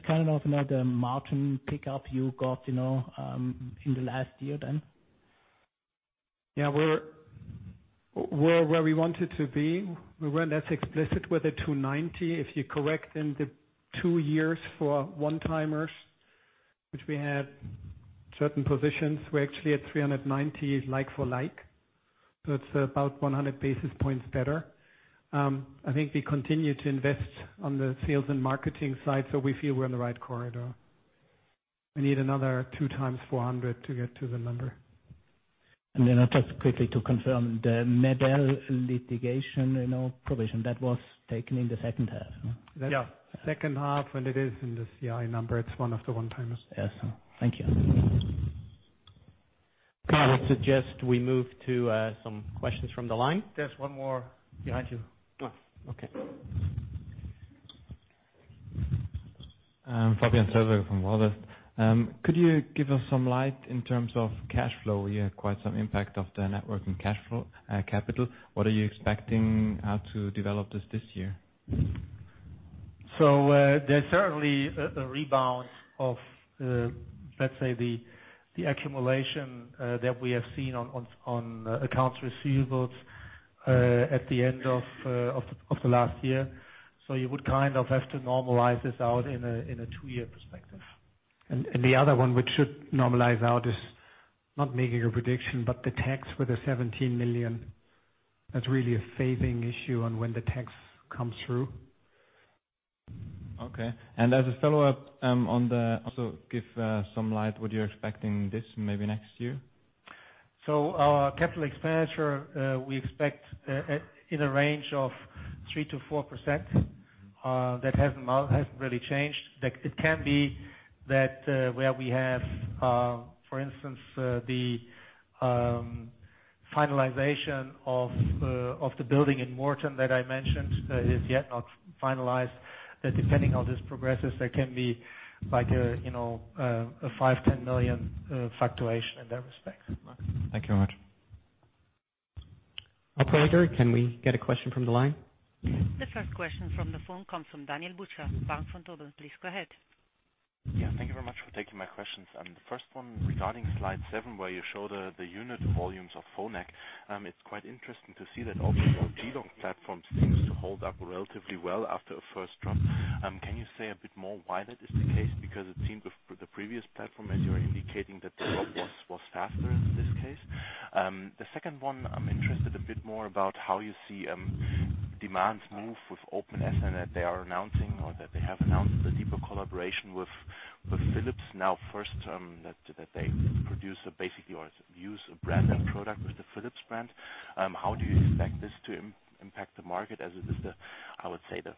the margin pickup you got in the last year then?
Yeah, we're where we wanted to be. We weren't as explicit with the 290. If you correct then the two years for one-timers, which we had certain positions, we're actually at 390 like for like. It's about 100 basis points better. I think we continue to invest on the sales and marketing side, so we feel we're in the right corridor. We need another two times 400 to get to the number.
Then just quickly to confirm, the MED-EL litigation provision, that was taken in the second half, no?
Yeah. Second half, and it is in the CI number. It's one of the one-timers.
Yes. Thank you.
Karl, I suggest we move to some questions from the line.
There's one more behind you.
Oh, okay.
Fabian Silver from Mirabaud. Could you give us some light in terms of cash flow? You had quite some impact of the net working cash flow, capital. What are you expecting how to develop this this year?
There's certainly a rebound of, let's say, the accumulation that we have seen on accounts receivables at the end of the last year. You would have to normalize this out in a two-year perspective.
The other one, which should normalize out, is not making a prediction, but the tax for the 17 million, that's really a phasing issue on when the tax comes through.
Okay. As a follow-up. Also give some light what you're expecting this maybe next year.
Our capital expenditure, we expect in a range of 3%-4%. That hasn't really changed. It can be that where we have, for instance, the finalization of the building in Murten that I mentioned, is yet not finalized. Depending on this progresses, there can be a 5 million-10 million fluctuation in that respect.
Thank you much.
Operator, can we get a question from the line?
The first question from the phone comes from Daniel Buchta, Bank Vontobel. Please go ahead.
Thank you very much for taking my questions. The first one regarding slide seven, where you show the unit volumes of Phonak. It's quite interesting to see that also your Belong platform seems to hold up relatively well after a first drop. Can you say a bit more why that is the case? Because it seemed with the previous platform, as you are indicating that the drop was faster in this case. The second one, I'm interested a bit more about how you see demands move with Opn S and that they are announcing or that they have announced a deeper collaboration with Philips now first, that they produce basically or use a branded product with the Philips brand. How do you expect this to impact the market as it is the, I would say, the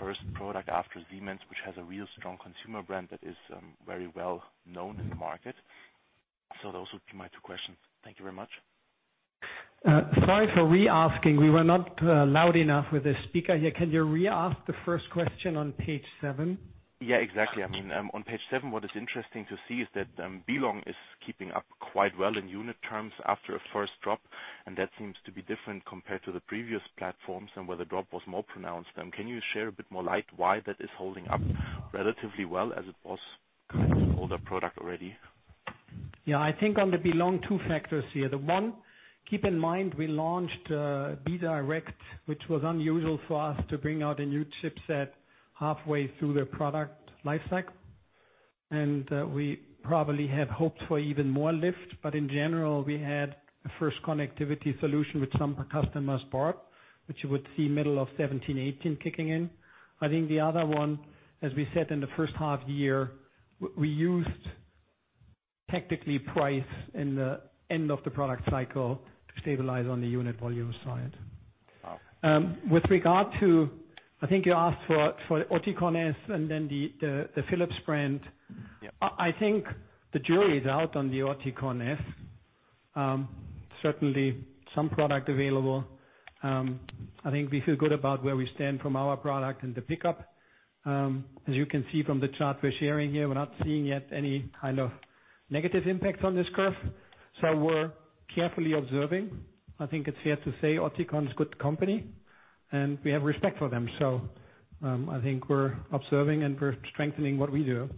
first product after Siemens, which has a real strong consumer brand that is very well known in the market. Those would be my two questions. Thank you very much.
Sorry for re-asking. We were not loud enough with the speaker here. Can you re-ask the first question on page seven?
Exactly. On page seven, what is interesting to see is that Belong is keeping up quite well in unit terms after a first drop, and that seems to be different compared to the previous platforms and where the drop was more pronounced then. Can you share a bit more light why that is holding up relatively well as it was kind of an older product already?
Yeah, I think on the Belong, two factors here. The one, keep in mind we launched Audéo B-Direct, which was unusual for us to bring out a new chipset halfway through the product lifecycle. We probably had hoped for even more lift. In general, we had a first connectivity solution which some customers bought, which you would see middle of 2017, 2018 kicking in. I think the other one, as we said in the first half year, we used tactically price in the end of the product cycle to stabilize on the unit volume side.
Wow. With regard to, I think you asked for Oticon S and then the Philips brand.
Yeah.
I think the jury is out on the Oticon S. Certainly, some product available. I think we feel good about where we stand from our product and the pickup. As you can see from the chart we're sharing here, we're not seeing yet any kind of negative impacts on this curve. We're carefully observing. I think it's fair to say Oticon is good company and we have respect for them. I think we're observing and we're strengthening what we do.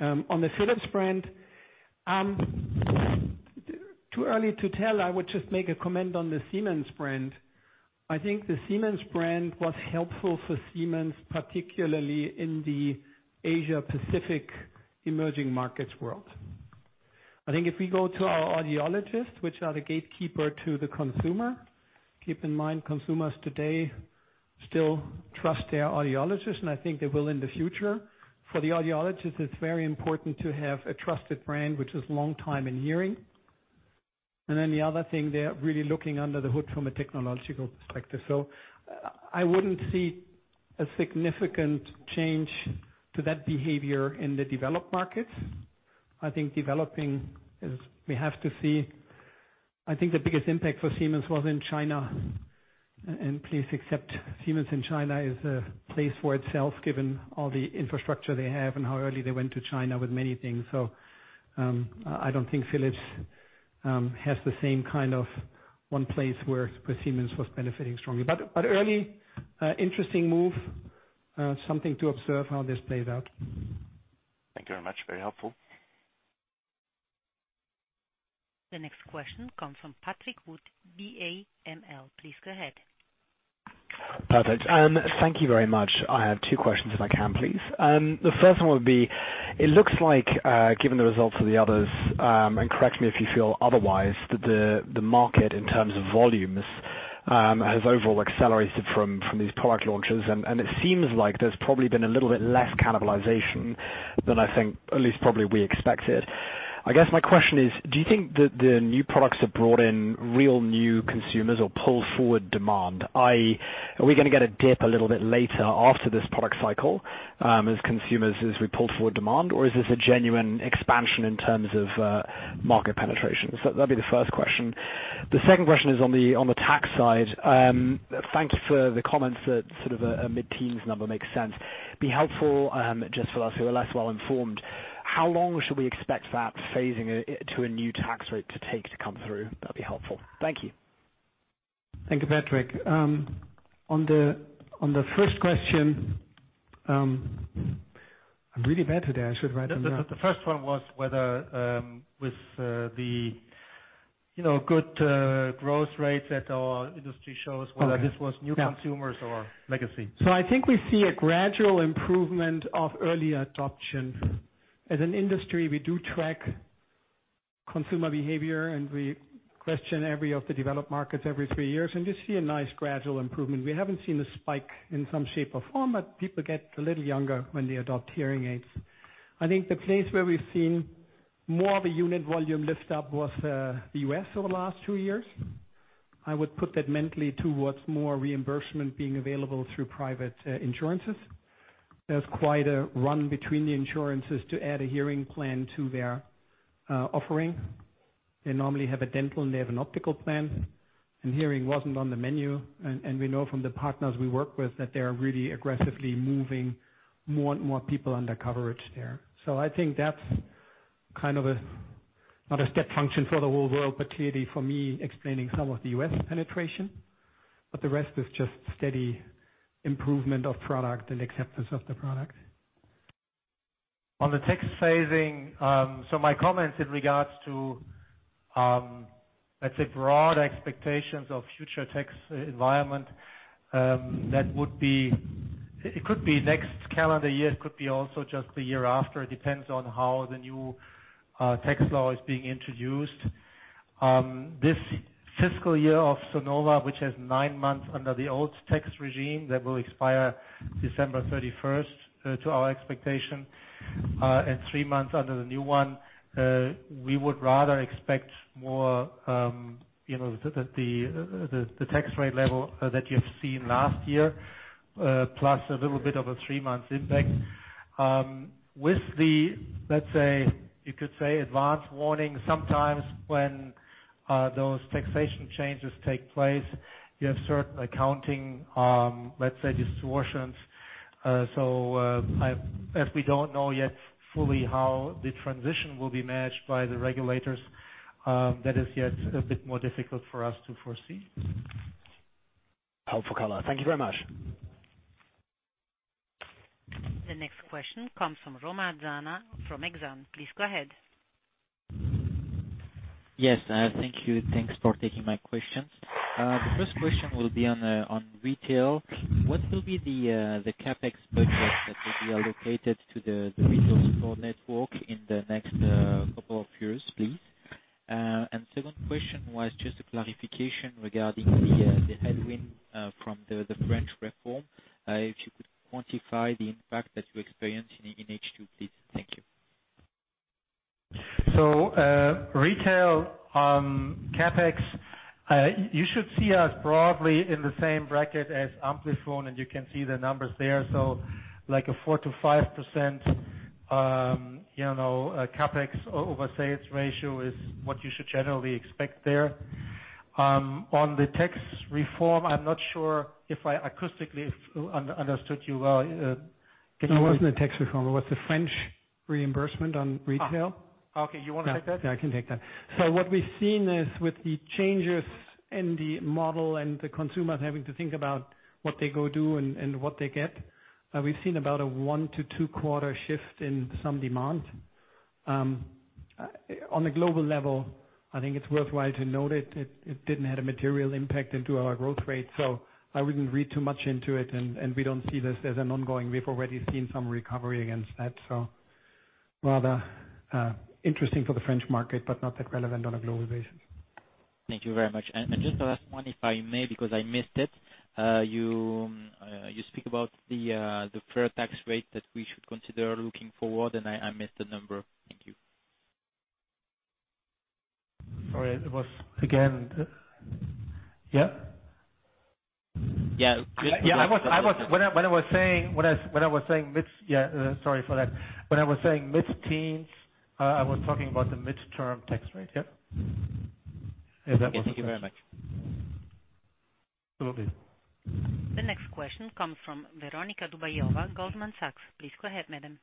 On the Philips brand, too early to tell. I would just make a comment on the Siemens brand. I think the Siemens brand was helpful for Siemens, particularly in the Asia-Pacific emerging markets world. I think if we go to our audiologists, which are the gatekeeper to the consumer, keep in mind, consumers today still trust their audiologist and I think they will in the future.
For the audiologist, it's very important to have a trusted brand, which is long time in hearing. Then the other thing, they're really looking under the hood from a technological perspective. I wouldn't see a significant change to that behavior in the developed markets. I think developing is we have to see. I think the biggest impact for Siemens was in China. Please accept Siemens in China is a place for itself, given all the infrastructure they have and how early they went to China with many things. I don't think Philips has the same kind of one place where Siemens was benefiting strongly. Early interesting move, something to observe how this plays out.
Thank you very much. Very helpful.
The next question comes from Patrick Wood, BAML. Please go ahead.
Perfect. Thank you very much. I have two questions if I can, please. The first one would be, it looks like, given the results of the others, and correct me if you feel otherwise, that the market in terms of volumes has overall accelerated from these product launches. It seems like there's probably been a little bit less cannibalization than I think at least probably we expected. I guess my question is, do you think that the new products have brought in real new consumers or pulled forward demand? i.e., are we going to get a dip a little bit later after this product cycle as consumers as we pull forward demand, or is this a genuine expansion in terms of market penetration? That'd be the first question. The second question is on the tax side. Thank you for the comments that sort of a mid-teens number makes sense. Be helpful just for us who are less well-informed, how long should we expect that phasing to a new tax rate to take to come through? That'd be helpful. Thank you.
Thank you, Patrick. On the first question, I'm really bad today. I should write them down.
The first one was whether with the good growth rates our industry shows whether this was new consumers or legacy.
I think we see a gradual improvement of early adoption. As an industry, we do track consumer behavior. We question every of the developed markets every three years and you see a nice gradual improvement. We haven't seen a spike in some shape or form, but people get a little younger when they adopt hearing aids. I think the place where we've seen more of a unit volume lift up was the U.S. over the last two years. I would put that mentally towards more reimbursement being available through private insurances. There's quite a run between the insurances to add a hearing plan to their offering. They normally have a dental and they have an optical plan, and hearing wasn't on the menu. We know from the partners we work with that they are really aggressively moving more and more people under coverage there. I think that's kind of a, not a step function for the whole world, clearly for me explaining some of the U.S. penetration. The rest is just steady improvement of product and acceptance of the product.
On the tax phasing, my comments in regards to, let's say, broad expectations of future tax environment, it could be next calendar year, it could be also just the year after. It depends on how the new tax law is being introduced. This fiscal year of Sonova, which has nine months under the old tax regime that will expire December 31st to our expectation, and three months under the new one, we would rather expect more the tax rate level that you've seen last year, plus a little bit of a three months impact.
With the, let's say, you could say advance warning, sometimes when those taxation changes take place, you have certain accounting, let's say distortions. As we don't know yet fully how the transition will be managed by the regulators, that is yet a bit more difficult for us to foresee. Helpful color. Thank you very much.
The next question comes from Romain Zana, from Exane. Please go ahead.
Yes. Thank you. Thanks for taking my questions. The first question will be on retail. What will be the CapEx purchase that will be allocated to the retail store network in the next couple of years, please? Second question was just a clarification regarding the headwind from the French reform. If you could quantify the impact that you experienced in H2, please. Thank you.
Retail on CapEx, you should see us broadly in the same bracket as Amplifon, and you can see the numbers there. Like a 4%-5% CapEx over sales ratio is what you should generally expect there. On the tax reform, I'm not sure if I acoustically understood you well. It wasn't a tax reform. It was the French reimbursement on retail. Okay. You want to take that? Yeah, I can take that. What we've seen is with the changes in the model and the consumers having to think about what they go do and what they get, we've seen about a 1-2 quarter shift in some demand. On a global level, I think it's worthwhile to note it didn't have a material impact into our growth rate, so I wouldn't read too much into it. We don't see this as an ongoing. We've already seen some recovery against that, rather interesting for the French market, but not that relevant on a global basis.
Thank you very much. Just the last one, if I may, because I missed it. You speak about the fair tax rate that we should consider looking forward, and I missed the number. Thank you.
Sorry. It was again Yeah?
Yeah.
Yeah. Sorry for that. When I was saying mid-teens, I was talking about the midterm tax rate. Yep. Is that what you-
Okay. Thank you very much.
No problem.
The next question comes from Veronika Dubajova, Goldman Sachs. Please go ahead, madam.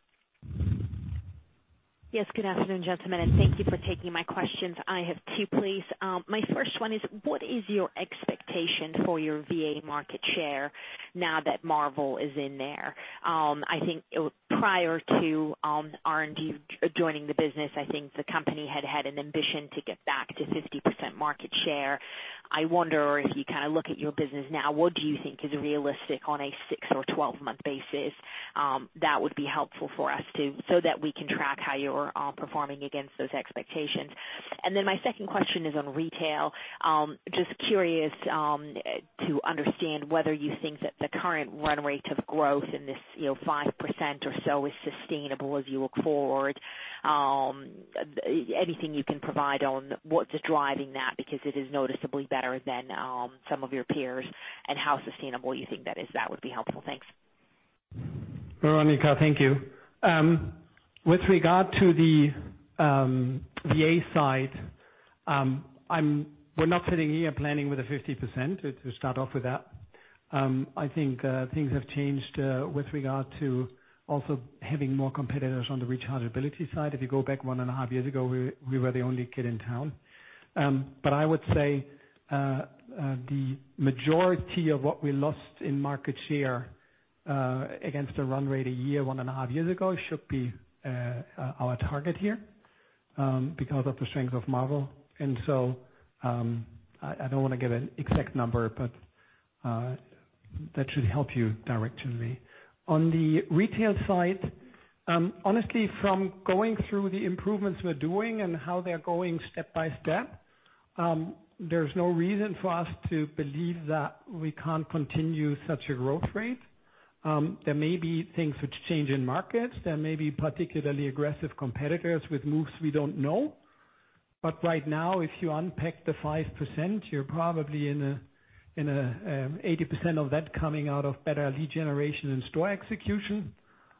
Yes, good afternoon, gentlemen, and thank you for taking my questions. I have two, please. My first one is, what is your expectation for your VA market share now that Marvel is in there? I think prior to R&D joining the business, I think the company had had an ambition to get back to 50% market share. I wonder if you kind of look at your business now, what do you think is realistic on a six or 12-month basis? That would be helpful for us too, so that we can track how you're performing against those expectations. My second question is on retail. Just curious to understand whether you think that the current run rate of growth in this 5% or so is sustainable as you look forward. Anything you can provide on what is driving that, because it is noticeably better than some of your peers, and how sustainable you think that is? That would be helpful. Thanks.
Veronika, thank you. With regard to the VA side, we're not sitting here planning with a 50% to start off with that. I think things have changed with regard to also having more competitors on the rechargeability side. If you go back one and a half years ago, we were the only kid in town. I would say the majority of what we lost in market share against a run rate a year, one and a half years ago, should be our target here, because of the strength of Marvel. I don't want to give an exact number, but that should help you directionally. On the retail side, honestly, from going through the improvements we're doing and how they're going step by step, there's no reason for us to believe that we can't continue such a growth rate. There may be things which change in markets. There may be particularly aggressive competitors with moves we don't know. Right now, if you unpack the 5%, you're probably in a 80% of that coming out of better lead generation and store execution.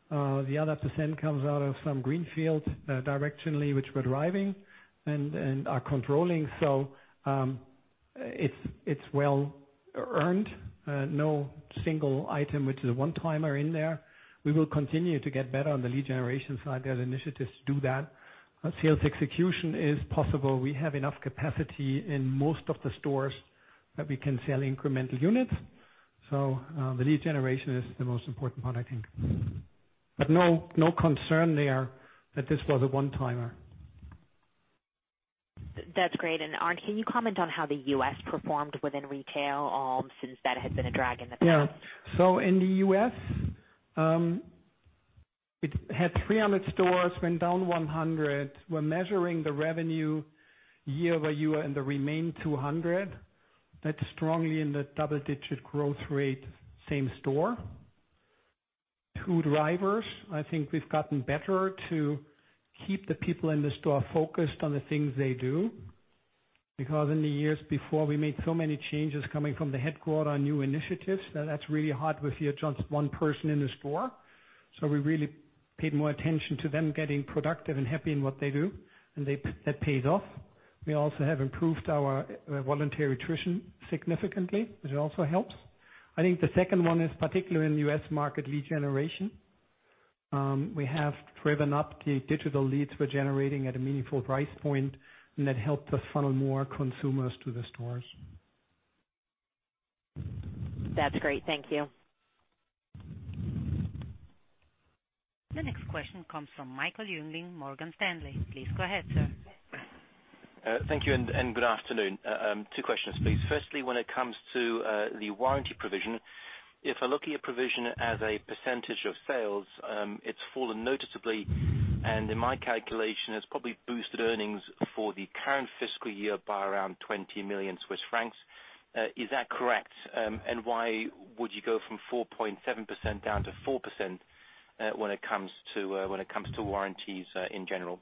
The other percent comes out of some greenfield directionally, which we're driving and are controlling. It's well earned. No single item which is a one-timer in there. We will continue to get better on the lead generation side. There's initiatives to do that. Sales execution is possible. We have enough capacity in most of the stores that we can sell incremental units. The lead generation is the most important part, I think. No concern there that this was a one-timer.
That's great. Arnd, can you comment on how the U.S. performed within retail since that had been a drag in the past?
In the U.S., it had 300 stores, went down 100. We're measuring the revenue year-by-year in the remaining 200. That's strongly in the double-digit growth rate, same store. Two drivers. I think we've gotten better to keep the people in the store focused on the things they do. Because in the years before, we made so many changes coming from the headquarter, new initiatives. Now that's really hard with just one person in the store. We really paid more attention to them getting productive and happy in what they do, and that paid off. We also have improved our voluntary attrition significantly, which also helps. I think the second one is particularly in the U.S. market, lead generation. We have driven up the digital leads we're generating at a meaningful price point, and that helped us funnel more consumers to the stores.
That's great. Thank you.
The next question comes from Michael Jüngling, Morgan Stanley. Please go ahead, sir.
Thank you, good afternoon. Two questions, please. Firstly, when it comes to the warranty provision, if I look at your provision as a percentage of sales, it has fallen noticeably and in my calculation has probably boosted earnings for the current fiscal year by around 20 million Swiss francs. Is that correct? Why would you go from 4.7% down to 4% when it comes to warranties in general?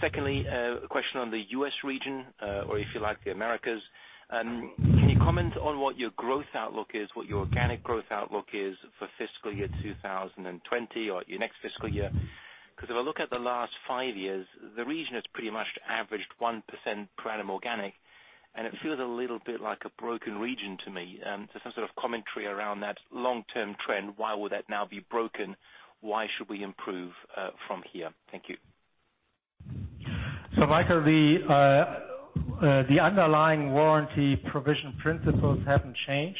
Secondly, a question on the U.S. region, or if you like, the Americas. Can you comment on what your growth outlook is, what your organic growth outlook is for FY 2020 or your next fiscal year? If I look at the last five years, the region has pretty much averaged 1% per annum organic, and it feels a little bit like a broken region to me. Just some sort of commentary around that long-term trend. Why would that now be broken? Why should we improve from here? Thank you.
Michael, the underlying warranty provision principles have not changed.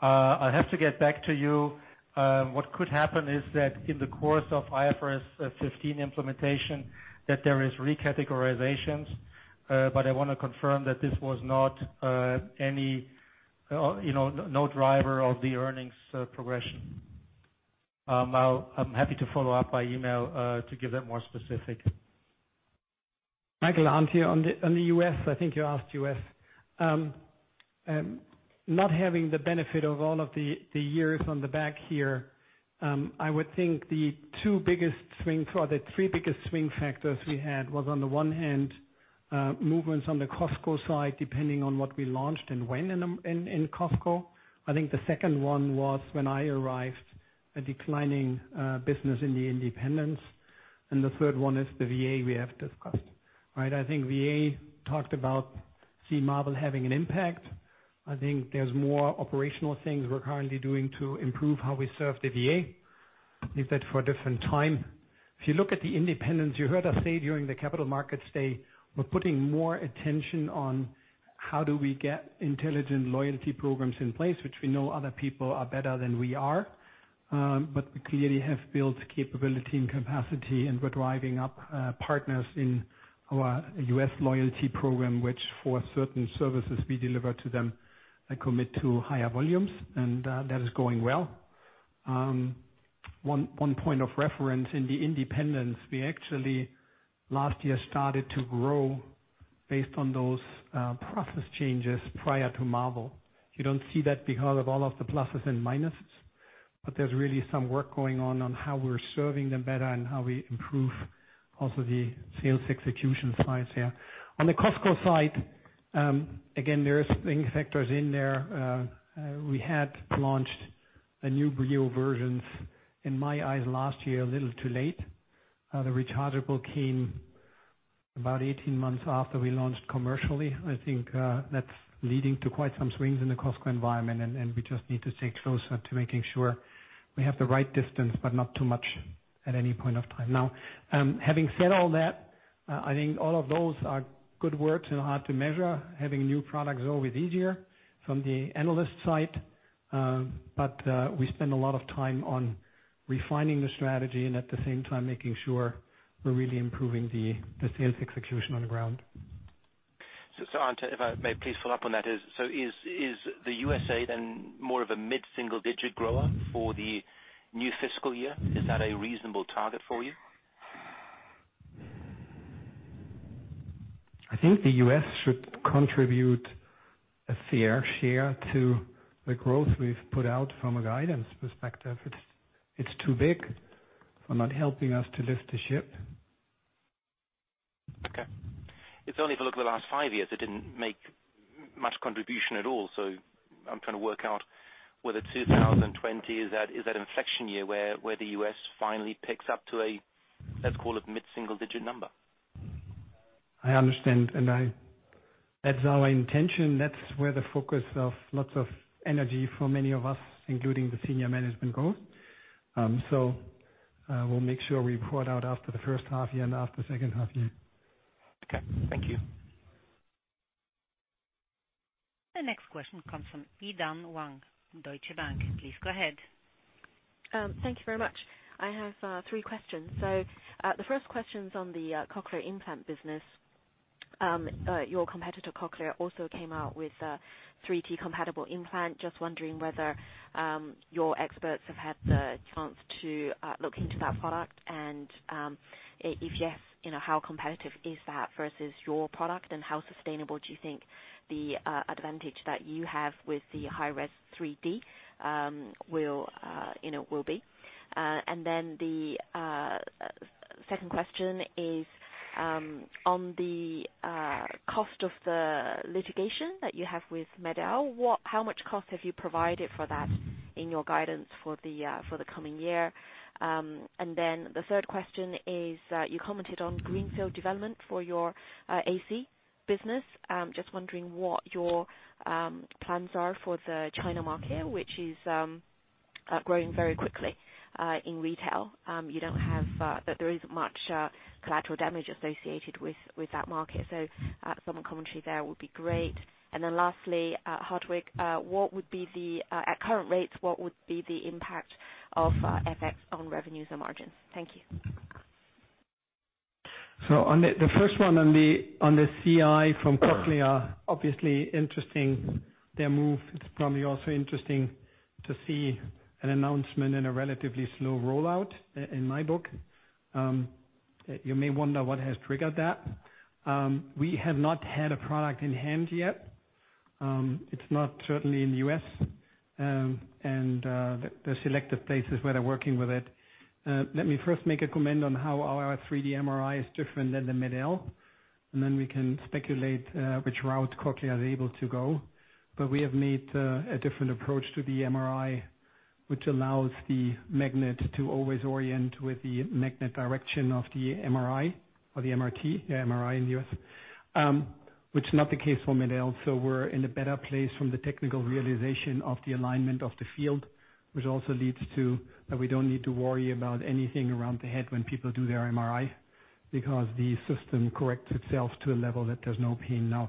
I have to get back to you. What could happen is that in the course of IFRS 15 implementation, there are recategorizations, but I want to confirm that this was no driver of the earnings progression. I am happy to follow up by email to give that more specific. Michael, on the U.S., I think you asked U.S. Not having the benefit of all of the years on the back here, I would think the two biggest swings or the three biggest swing factors we had was on the one hand, movements on the Costco side, depending on what we launched and when in Costco. I think the second one was when I arrived, a declining business in the independents. The third one is the VA we have discussed. I think VA talked about Marvel having an impact. I think there are more operational things we are currently doing to improve how we serve the VA. Leave that for a different time. If you look at the independents, you heard us say during the capital markets day, we are putting more attention on how do we get intelligent loyalty programs in place, which we know other people are better than we are. We clearly have built capability and capacity, and we are driving up partners in our U.S. loyalty program, which for certain services we deliver to them and commit to higher volumes, and that is going well. One point of reference in the independents, we actually last year started to grow based on those process changes prior to Marvel. You don't see that because of all of the pluses and minuses, but there's really some work going on on how we're serving them better and how we improve also the sales execution sides here. On the Costco side, again, there are swing factors in there. We had launched the new Brio versions, in my eyes, last year, a little too late. The rechargeable came about 18 months after we launched commercially. I think that's leading to quite some swings in the Costco environment, and we just need to stay closer to making sure we have the right distance, but not too much at any point of time. Having said all that, I think all of those are good works and hard to measure, having new products are always easier from the analyst side. We spend a lot of time on refining the strategy and at the same time making sure we're really improving the sales execution on the ground.
Arnd, if I may please follow up on that is the U.S.A. more of a mid-single digit grower for the new fiscal year? Is that a reasonable target for you?
I think the U.S. should contribute a fair share to the growth we've put out from a guidance perspective. It's too big for not helping us to lift the ship.
Okay. It's only if you look at the last five years, it didn't make much contribution at all. I'm trying to work out whether 2020, is that inflection year where the U.S. finally picks up to a, let's call it mid-single digit number.
I understand. That's our intention. That's where the focus of lots of energy for many of us, including the senior management goes. We'll make sure we report out after the first half year and after second half year.
Okay. Thank you.
The next question comes from Yi-Dan Wang, Deutsche Bank. Please go ahead.
Thank you very much. I have three questions. The first question is on the cochlear implant business. Your competitor, Cochlear, also came out with a 3T-compatible implant. Just wondering whether your experts have had the chance to look into that product, and if yes, how competitive is that versus your product, and how sustainable do you think the advantage that you have with the high-res 3T will be? The second question is on the cost of the litigation that you have with MED-EL. How much cost have you provided for that in your guidance for the coming year? The third question is, you commented on greenfield development for your AC business. Just wondering what your plans are for the China market, which is growing very quickly in retail. There isn't much collateral damage associated with that market. Some commentary there would be great. Lastly, Hartwig, at current rates, what would be the impact of FX on revenues and margins? Thank you.
On the first one on the CI from Cochlear, obviously interesting, their move. It's probably also interesting to see an announcement and a relatively slow rollout, in my book. You may wonder what has triggered that. We have not had a product in hand yet. It's not certainly in the U.S. and the selected places where they're working with it. Let me first make a comment on how our 3D MRI is different than the MED-EL, and then we can speculate which route Cochlear is able to go. We have made a different approach to the MRI, which allows the magnet to always orient with the magnet direction of the MRI or the MRT, the MRI in the U.S., which is not the case for MED-EL. We're in a better place from the technical realization of the alignment of the field, which also leads to that we don't need to worry about anything around the head when people do their MRI, because the system corrects itself to a level that there's no pain. Now,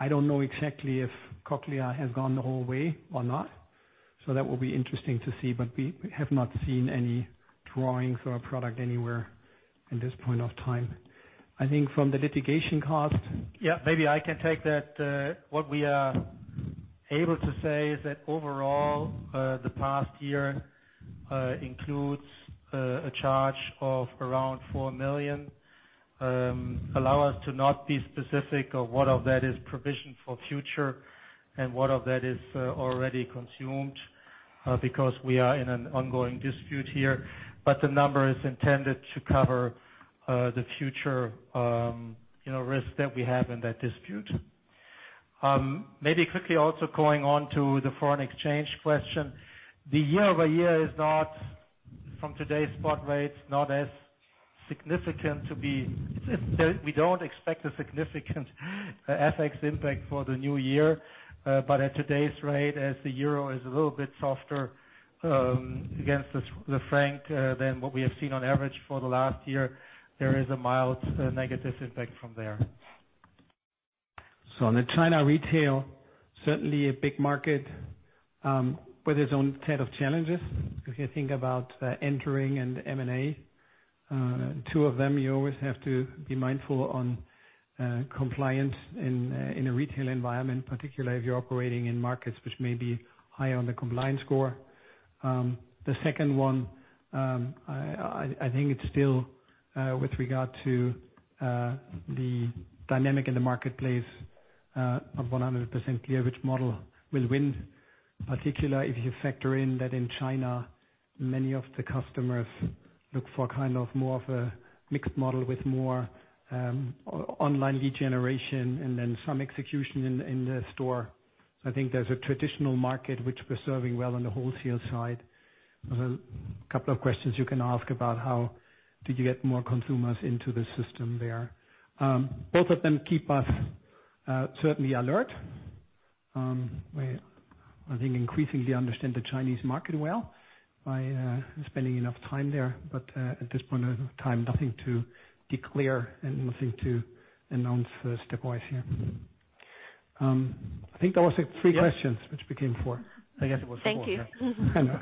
I don't know exactly if Cochlear has gone the whole way or not, so that will be interesting to see, but we have not seen any drawings or a product anywhere in this point of time. I think from the litigation cost-
Yeah, maybe I can take that. What we are able to say is that overall, the past year includes a charge of around 4 million. Allow us to not be specific of what of that is provisioned for future and what of that is already consumed, because we are in an ongoing dispute here. The number is intended to cover the future risk that we have in that dispute. Maybe quickly also going on to the foreign exchange question. The year-over-year is, from today's spot rates, We don't expect a significant FX impact for the new year. At today's rate, as the euro is a little bit softer against the franc than what we have seen on average for the last year, there is a mild negative impact from there.
On the China retail, certainly a big market, with its own set of challenges. If you think about entering and M&A, two of them, you always have to be mindful on compliance in a retail environment, particularly if you're operating in markets which may be high on the compliance score. The second one, I think it's still with regard to the dynamic in the marketplace of 100% clear which model will win. Particular if you factor in that in China, many of the customers look for more of a mixed model with more online lead generation and then some execution in the store. I think there's a traditional market which we're serving well on the wholesale side. There's a couple of questions you can ask about how did you get more consumers into the system there. Both of them keep us certainly alert. We, I think, increasingly understand the Chinese market well by spending enough time there. At this point of time, nothing to declare and nothing to announce stepwise here. I think that was three questions, which became four.
I guess it was four. Thank you.
I know.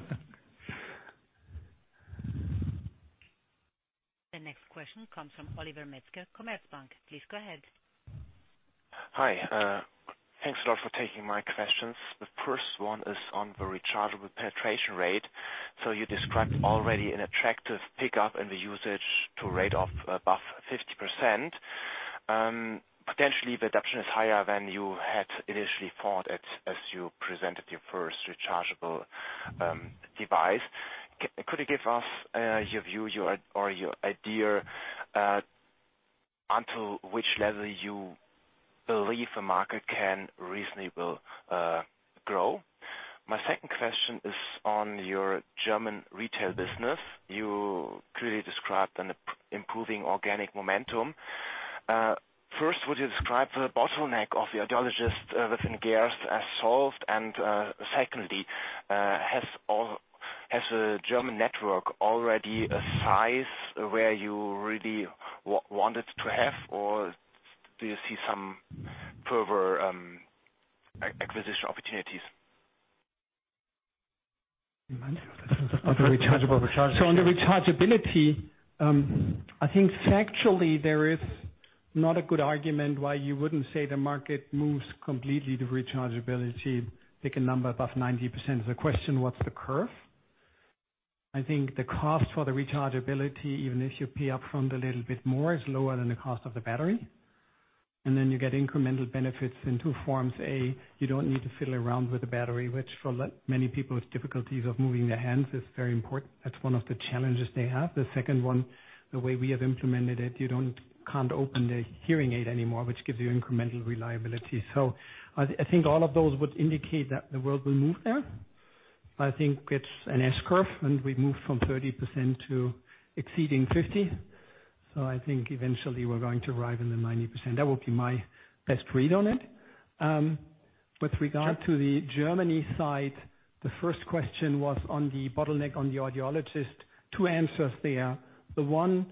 The next question comes from Oliver Metzger, Commerzbank. Please go ahead.
Hi. Thanks a lot for taking my questions. The first one is on the rechargeable penetration rate. You described already an attractive pickup in the usage to a rate of above 50%. Potentially, the adoption is higher than you had initially thought as you presented your first rechargeable device. Could you give us your view or your idea onto which level you believe the market can reasonably grow? My second question is on your German retail business. You clearly described an improving organic momentum. First, would you describe the bottleneck of the audiologists within Geers as solved? Secondly, has the German network already a size where you really wanted to have, or do you see some further acquisition opportunities?
On the rechargeability, I think factually, there is not a good argument why you wouldn't say the market moves completely to rechargeability. Pick a number above 90%. The question, what's the curve? I think the cost for the rechargeability, even if you pay up front a little bit more, is lower than the cost of the battery. You get incremental benefits in two forms. A, you don't need to fiddle around with the battery, which for many people with difficulties of moving their hands is very important. That's one of the challenges they have. The second one, the way we have implemented it, you can't open the hearing aid anymore, which gives you incremental reliability. I think all of those would indicate that the world will move there. I think it's an S-curve, and we move from 30% to exceeding 50%. I think eventually we're going to arrive in the 90%. That would be my best read on it. With regard to the Germany side, the first question was on the bottleneck on the audiologist. Two answers there. The one,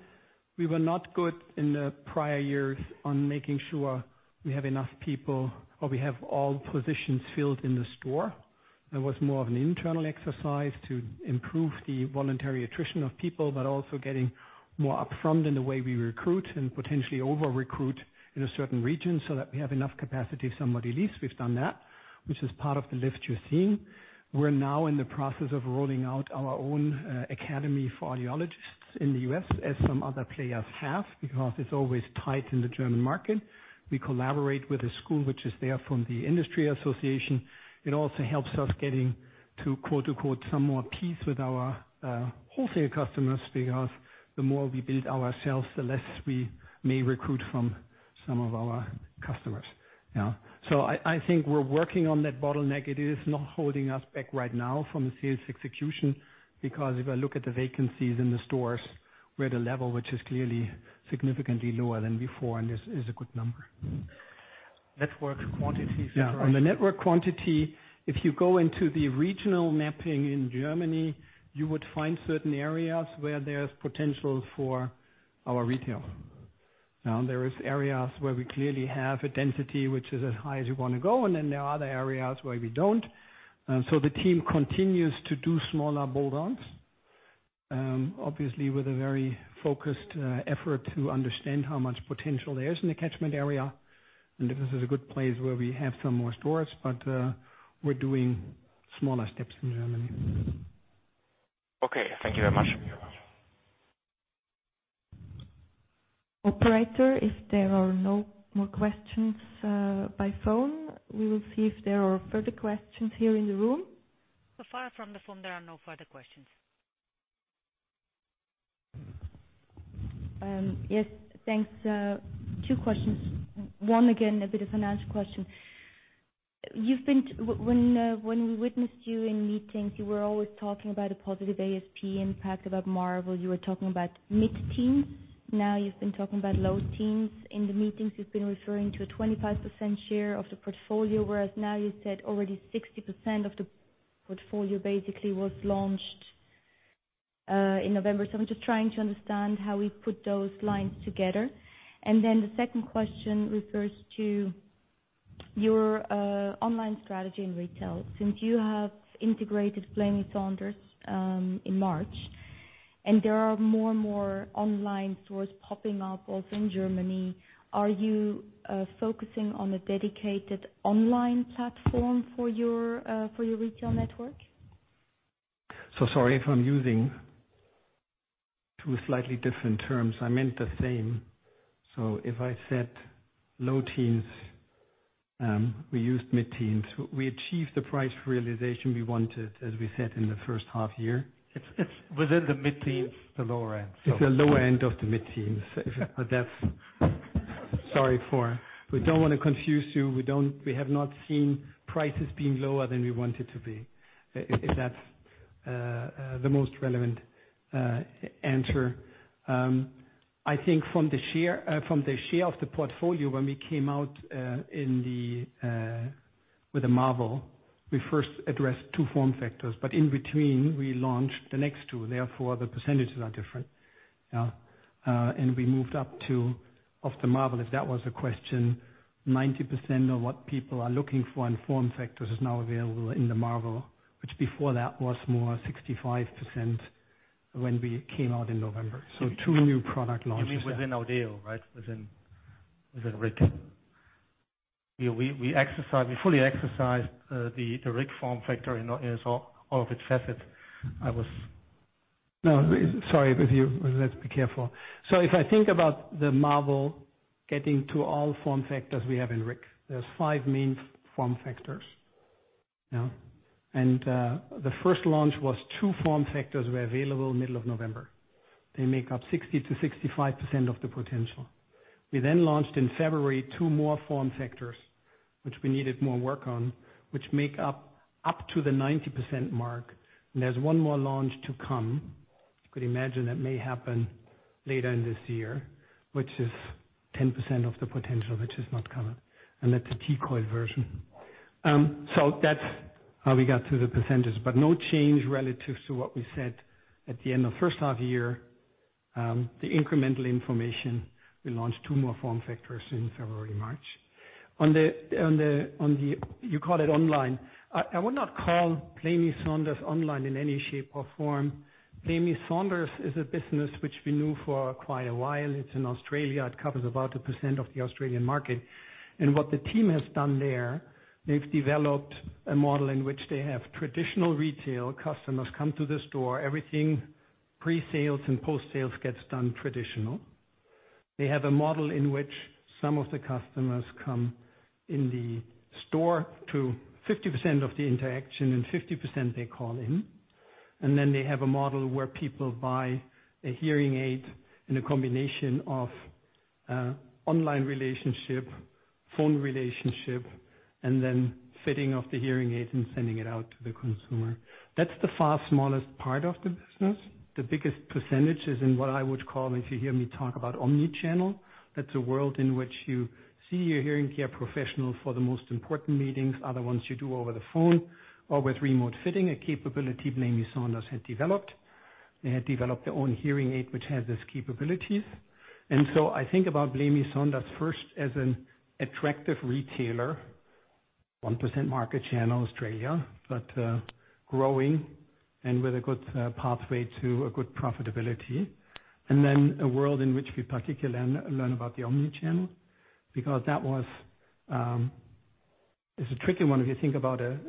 we were not good in the prior years on making sure we have enough people, or we have all positions filled in the store. That was more of an internal exercise to improve the voluntary attrition of people, but also getting more up front in the way we recruit and potentially over-recruit in a certain region so that we have enough capacity if somebody leaves. We've done that, which is part of the Lift2 theme. We're now in the process of rolling out our own academy for audiologists in the U.S., as some other players have, because it's always tight in the German market. We collaborate with a school which is there from the industry association. It also helps us getting to "some more peace" with our wholesale customers because the more we build ourselves, the less we may recruit from some of our customers. I think we're working on that bottleneck. It is not holding us back right now from the sales execution, because if I look at the vacancies in the stores, we're at a level which is clearly significantly lower than before and is a good number.
Network quantity, sorry.
Yeah. On the network quantity, if you go into the regional mapping in Germany, you would find certain areas where there's potential for our retail. There is areas where we clearly have a density which is as high as you want to go, and then there are other areas where we don't. The team continues to do smaller build-ons. Obviously, with a very focused effort to understand how much potential there is in the catchment area, and if this is a good place where we have some more stores. We're doing smaller steps in Germany.
Okay. Thank you very much.
You're welcome.
Operator, if there are no more questions by phone, we will see if there are further questions here in the room.
Far from the phone, there are no further questions.
Yes. Thanks. Two questions. One again, a bit of a financial question. When we witnessed you in meetings, you were always talking about a positive ASP impact about Marvel. You were talking about mid-teens. Now you've been talking about low teens. In the meetings, you've been referring to a 25% share of the portfolio, whereas now you said already 60% of the portfolio basically was launched in November. I'm just trying to understand how we put those lines together. Then the second question refers to your online strategy in retail. Since you have integrated Blamey Saunders in March, and there are more and more online stores popping up also in Germany, are you focusing on a dedicated online platform for your retail network?
Sorry if I'm using two slightly different terms. I meant the same. If I said low teens, we used mid-teens. We achieved the price realization we wanted, as we said in the first half year.
It's within the mid-teens, the lower end.
It's the lower end of the mid-teens. Sorry. We don't want to confuse you. We have not seen prices being lower than we want it to be. If that's the most relevant answer. I think from the share of the portfolio, when we came out with the Marvel, we first addressed two form factors. In between, we launched the next two, therefore the percentages are different. We moved up two of the Marvel, if that was the question. 90% of what people are looking for in form factors is now available in the Marvel, which before that was more 65% when we came out in November. Two new product launches there.
You mean within Audéo, right? Within RIC. We fully exercised the RIC form factor in all of its facets.
No. Sorry. If I think about the Marvel getting to all form factors we have in RIC, there's five main form factors. The first launch was two form factors were available middle of November. They make up 60% to 65% of the potential. We then launched in February two more form factors, which we needed more work on, which make up up to the 90% mark. There's one more launch to come. You could imagine that may happen later in this year, which is 10% of the potential, which is not covered. That's a T-coil version. That's how we got to the percentage, but no change relative to what we said at the end of first half-year. The incremental information, we launched two more form factors in February, March. On the, you called it online. I would not call Blamey Saunders online in any shape or form. Blamey Saunders is a business which we knew for quite a while. It's in Australia. It covers about a percent of the Australian market. What the team has done there, they've developed a model in which they have traditional retail customers come to the store, everything. Pre-sales and post-sales gets done traditional. They have a model in which some of the customers come in the store to 50% of the interaction, and 50% they call in. They have a model where people buy a hearing aid in a combination of online relationship, phone relationship, and then fitting of the hearing aid and sending it out to the consumer. That's the far smallest part of the business. The biggest percentage is in what I would call, if you hear me talk about omni-channel, that's a world in which you see your hearing care professional for the most important meetings. Other ones you do over the phone or with remote fitting, a capability Blamey Saunders had developed. They had developed their own hearing aid, which has these capabilities. I think about Blamey Saunders first as an attractive retailer, 1% market share in Australia, but growing and with a good pathway to a good profitability. Then a world in which we particularly learn about the omni-channel, because that is a tricky one. If you think about a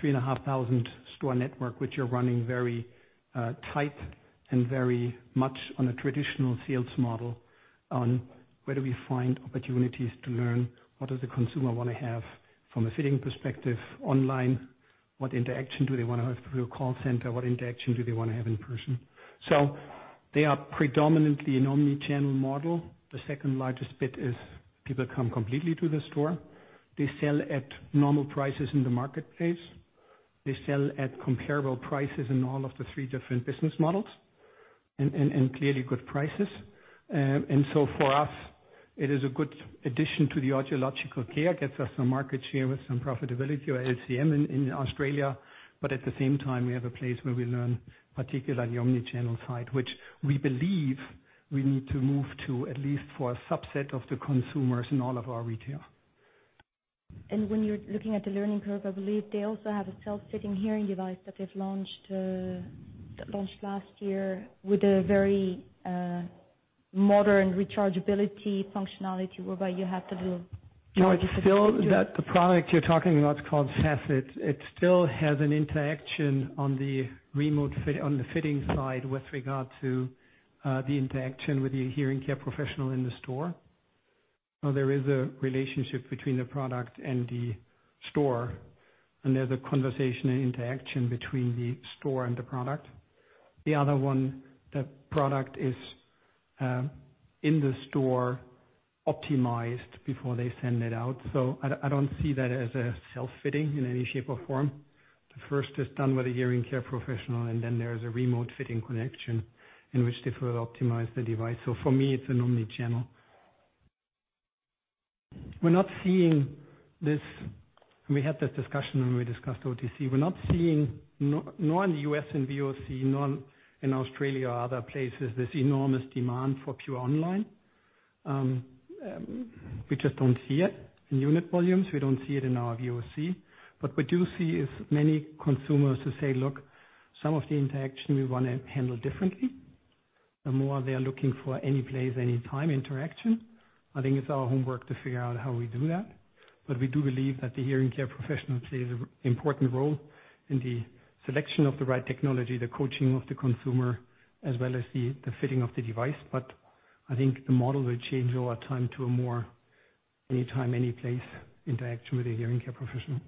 3,500 store network, which you're running very tight and very much on a traditional sales model on where do we find opportunities to learn, what does the consumer want to have from a fitting perspective online? What interaction do they want to have through a call center? What interaction do they want to have in person? They are predominantly an omni-channel model. The second largest bit is people come completely to the store. They sell at normal prices in the marketplace. They sell at comparable prices in all of the three different business models, and clearly good prices. For us, it is a good addition to the Audiological Care, gets us some market share with some profitability or LCM in Australia. At the same time, we have a place where we learn, particularly on the omni-channel side, which we believe we need to move to, at least for a subset of the consumers in all of our retail.
When you're looking at the learning curve, I believe they also have a self-fitting hearing device that they've launched last year with a very modern rechargeability functionality, whereby you have to.
No, the product you're talking about is called Facet. It still has an interaction on the fitting side with regard to the interaction with your hearing care professional in the store. There is a relationship between the product and the store, and there's a conversation and interaction between the store and the product. The other one, the product is in the store optimized before they send it out. I don't see that as a self-fitting in any shape or form. The first is done with a hearing care professional, there is a remote fitting connection in which they further optimize the device. For me, it's an omni-channel. We're not seeing this, we had this discussion when we discussed OTC. We're not seeing, nor in the U.S. in VOC, nor in Australia or other places, this enormous demand for pure online. We just don't see it in unit volumes. We don't see it in our VOC. We do see is many consumers who say, "Look, some of the interaction we want to handle differently." The more they are looking for any place, any time interaction. I think it's our homework to figure out how we do that. We do believe that the hearing care professional plays an important role in the selection of the right technology, the coaching of the consumer, as well as the fitting of the device. I think the model will change over time to a more anytime, any place interaction with a hearing care professional.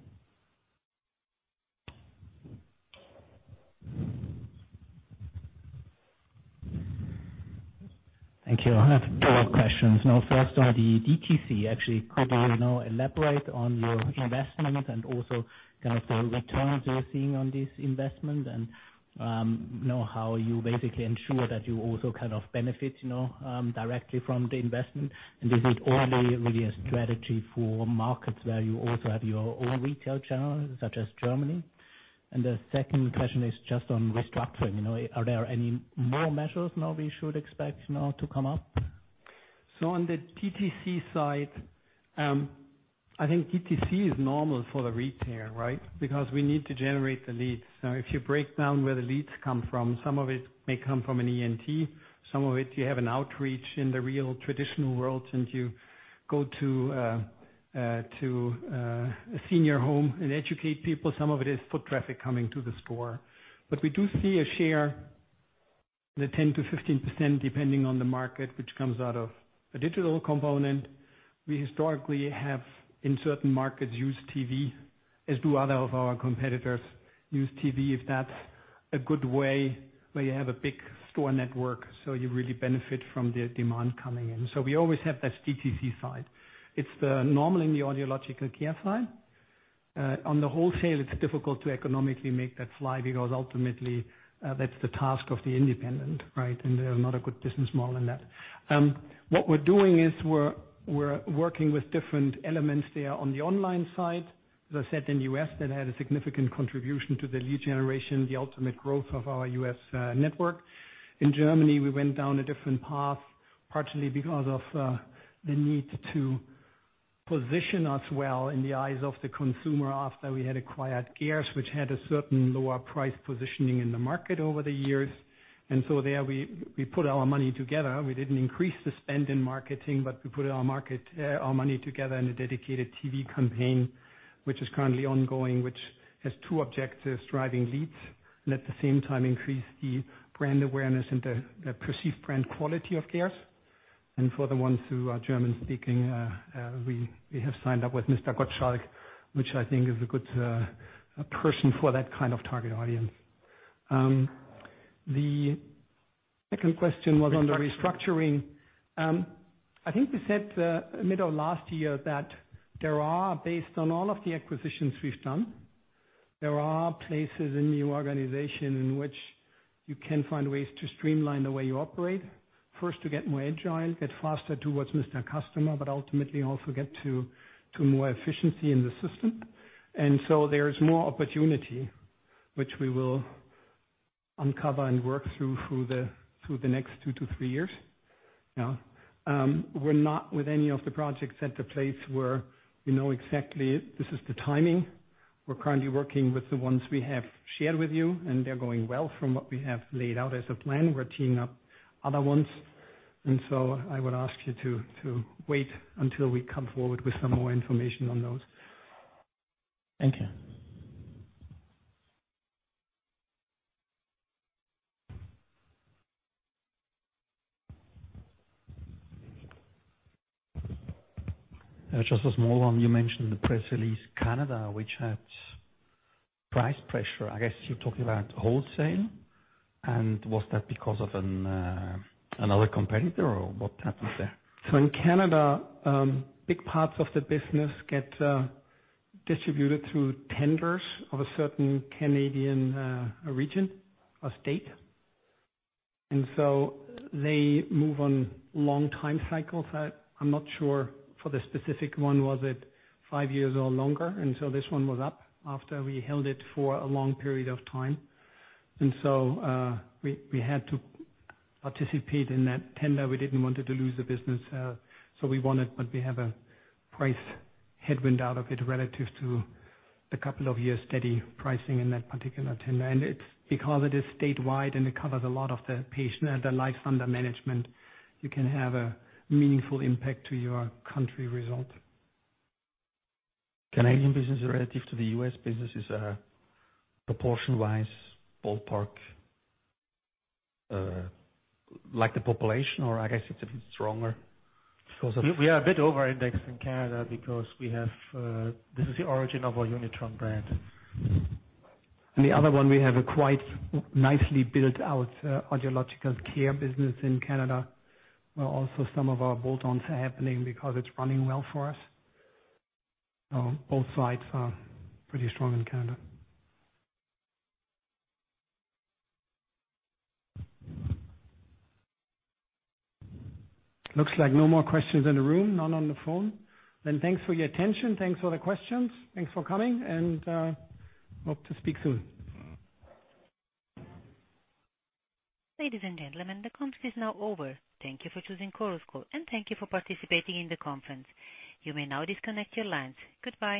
Thank you. I have two questions now. First on the DTC, actually, could you now elaborate on your investment and also the returns you're seeing on this investment and how you basically ensure that you also benefit directly from the investment? Is it only really a strategy for markets where you also have your own retail channels, such as Germany? The second question is just on restructuring. Are there any more measures now we should expect to come up?
On the DTC side, I think DTC is normal for the retailer, right? Because we need to generate the leads. Now, if you break down where the leads come from, some of it may come from an ENT, some of it you have an outreach in the real traditional world, and you go to a senior home and educate people. Some of it is foot traffic coming to the store. We do see a share, the 10%-15%, depending on the market, which comes out of a digital component. We historically have, in certain markets, used TV, as do other of our competitors use TV, if that's a good way where you have a big store network, so you really benefit from the demand coming in. We always have that DTC side. It's normal in the audiological care side. On the wholesale, it's difficult to economically make that slide because ultimately that's the task of the independent, right? There's not a good business model in that. What we're doing is we're working with different elements there on the online side. As I said, in U.S., that had a significant contribution to the lead generation, the ultimate growth of our U.S. network. In Germany, we went down a different path, partially because of the need to position us well in the eyes of the consumer after we had acquired Geers, which had a certain lower price positioning in the market over the years. There we put our money together. We didn't increase the spend in marketing, but we put our money together in a dedicated TV campaign, which is currently ongoing, which has two objectives, driving leads and at the same time increase the brand awareness and the perceived brand quality of Geers. For the ones who are German speaking, we have signed up with Mr. Gottschalk, which I think is a good person for that kind of target audience. The second question was on the restructuring. I think we said middle of last year that there are, based on all of the acquisitions we've done, there are places in the organization in which you can find ways to streamline the way you operate. First, to get more agile, get faster towards customer, but ultimately also get to more efficiency in the system. There is more opportunity which we will uncover and work through the next two to three years now. We're not with any of the projects at the place where we know exactly this is the timing. We're currently working with the ones we have shared with you, and they're going well from what we have laid out as a plan. We're teeing up other ones. I would ask you to wait until we come forward with some more information on those.
Thank you.
Just a small one. You mentioned in the press release Canada, which had price pressure. I guess you're talking about wholesale and was that because of another competitor or what happened there?
In Canada, big parts of the business get distributed through tenders of a certain Canadian region or state. They move on long time cycles. I am not sure for the specific one, was it five years or longer? This one was up after we held it for a long period of time. We had to participate in that tender. We did not want to lose the business. We won it, but we have a price headwind out of it relative to the couple of years steady pricing in that particular tender. It is because it is statewide and it covers a lot of the patient and the life under management, you can have a meaningful impact to your country result.
Canadian business relative to the U.S. business is proportion-wise, ballpark, like the population or I guess it is a bit stronger because of-
We are a bit over indexed in Canada because this is the origin of our Unitron brand. The other one we have a quite nicely built-out audiological care business in Canada, where also some of our bolt-ons are happening because it is running well for us. Both sides are pretty strong in Canada. Looks like no more questions in the room, none on the phone. Thanks for your attention. Thanks for the questions. Thanks for coming and hope to speak soon.
Ladies and gentlemen, the conference is now over. Thank you for choosing Chorus Call and thank you for participating in the conference. You may now disconnect your lines. Goodbye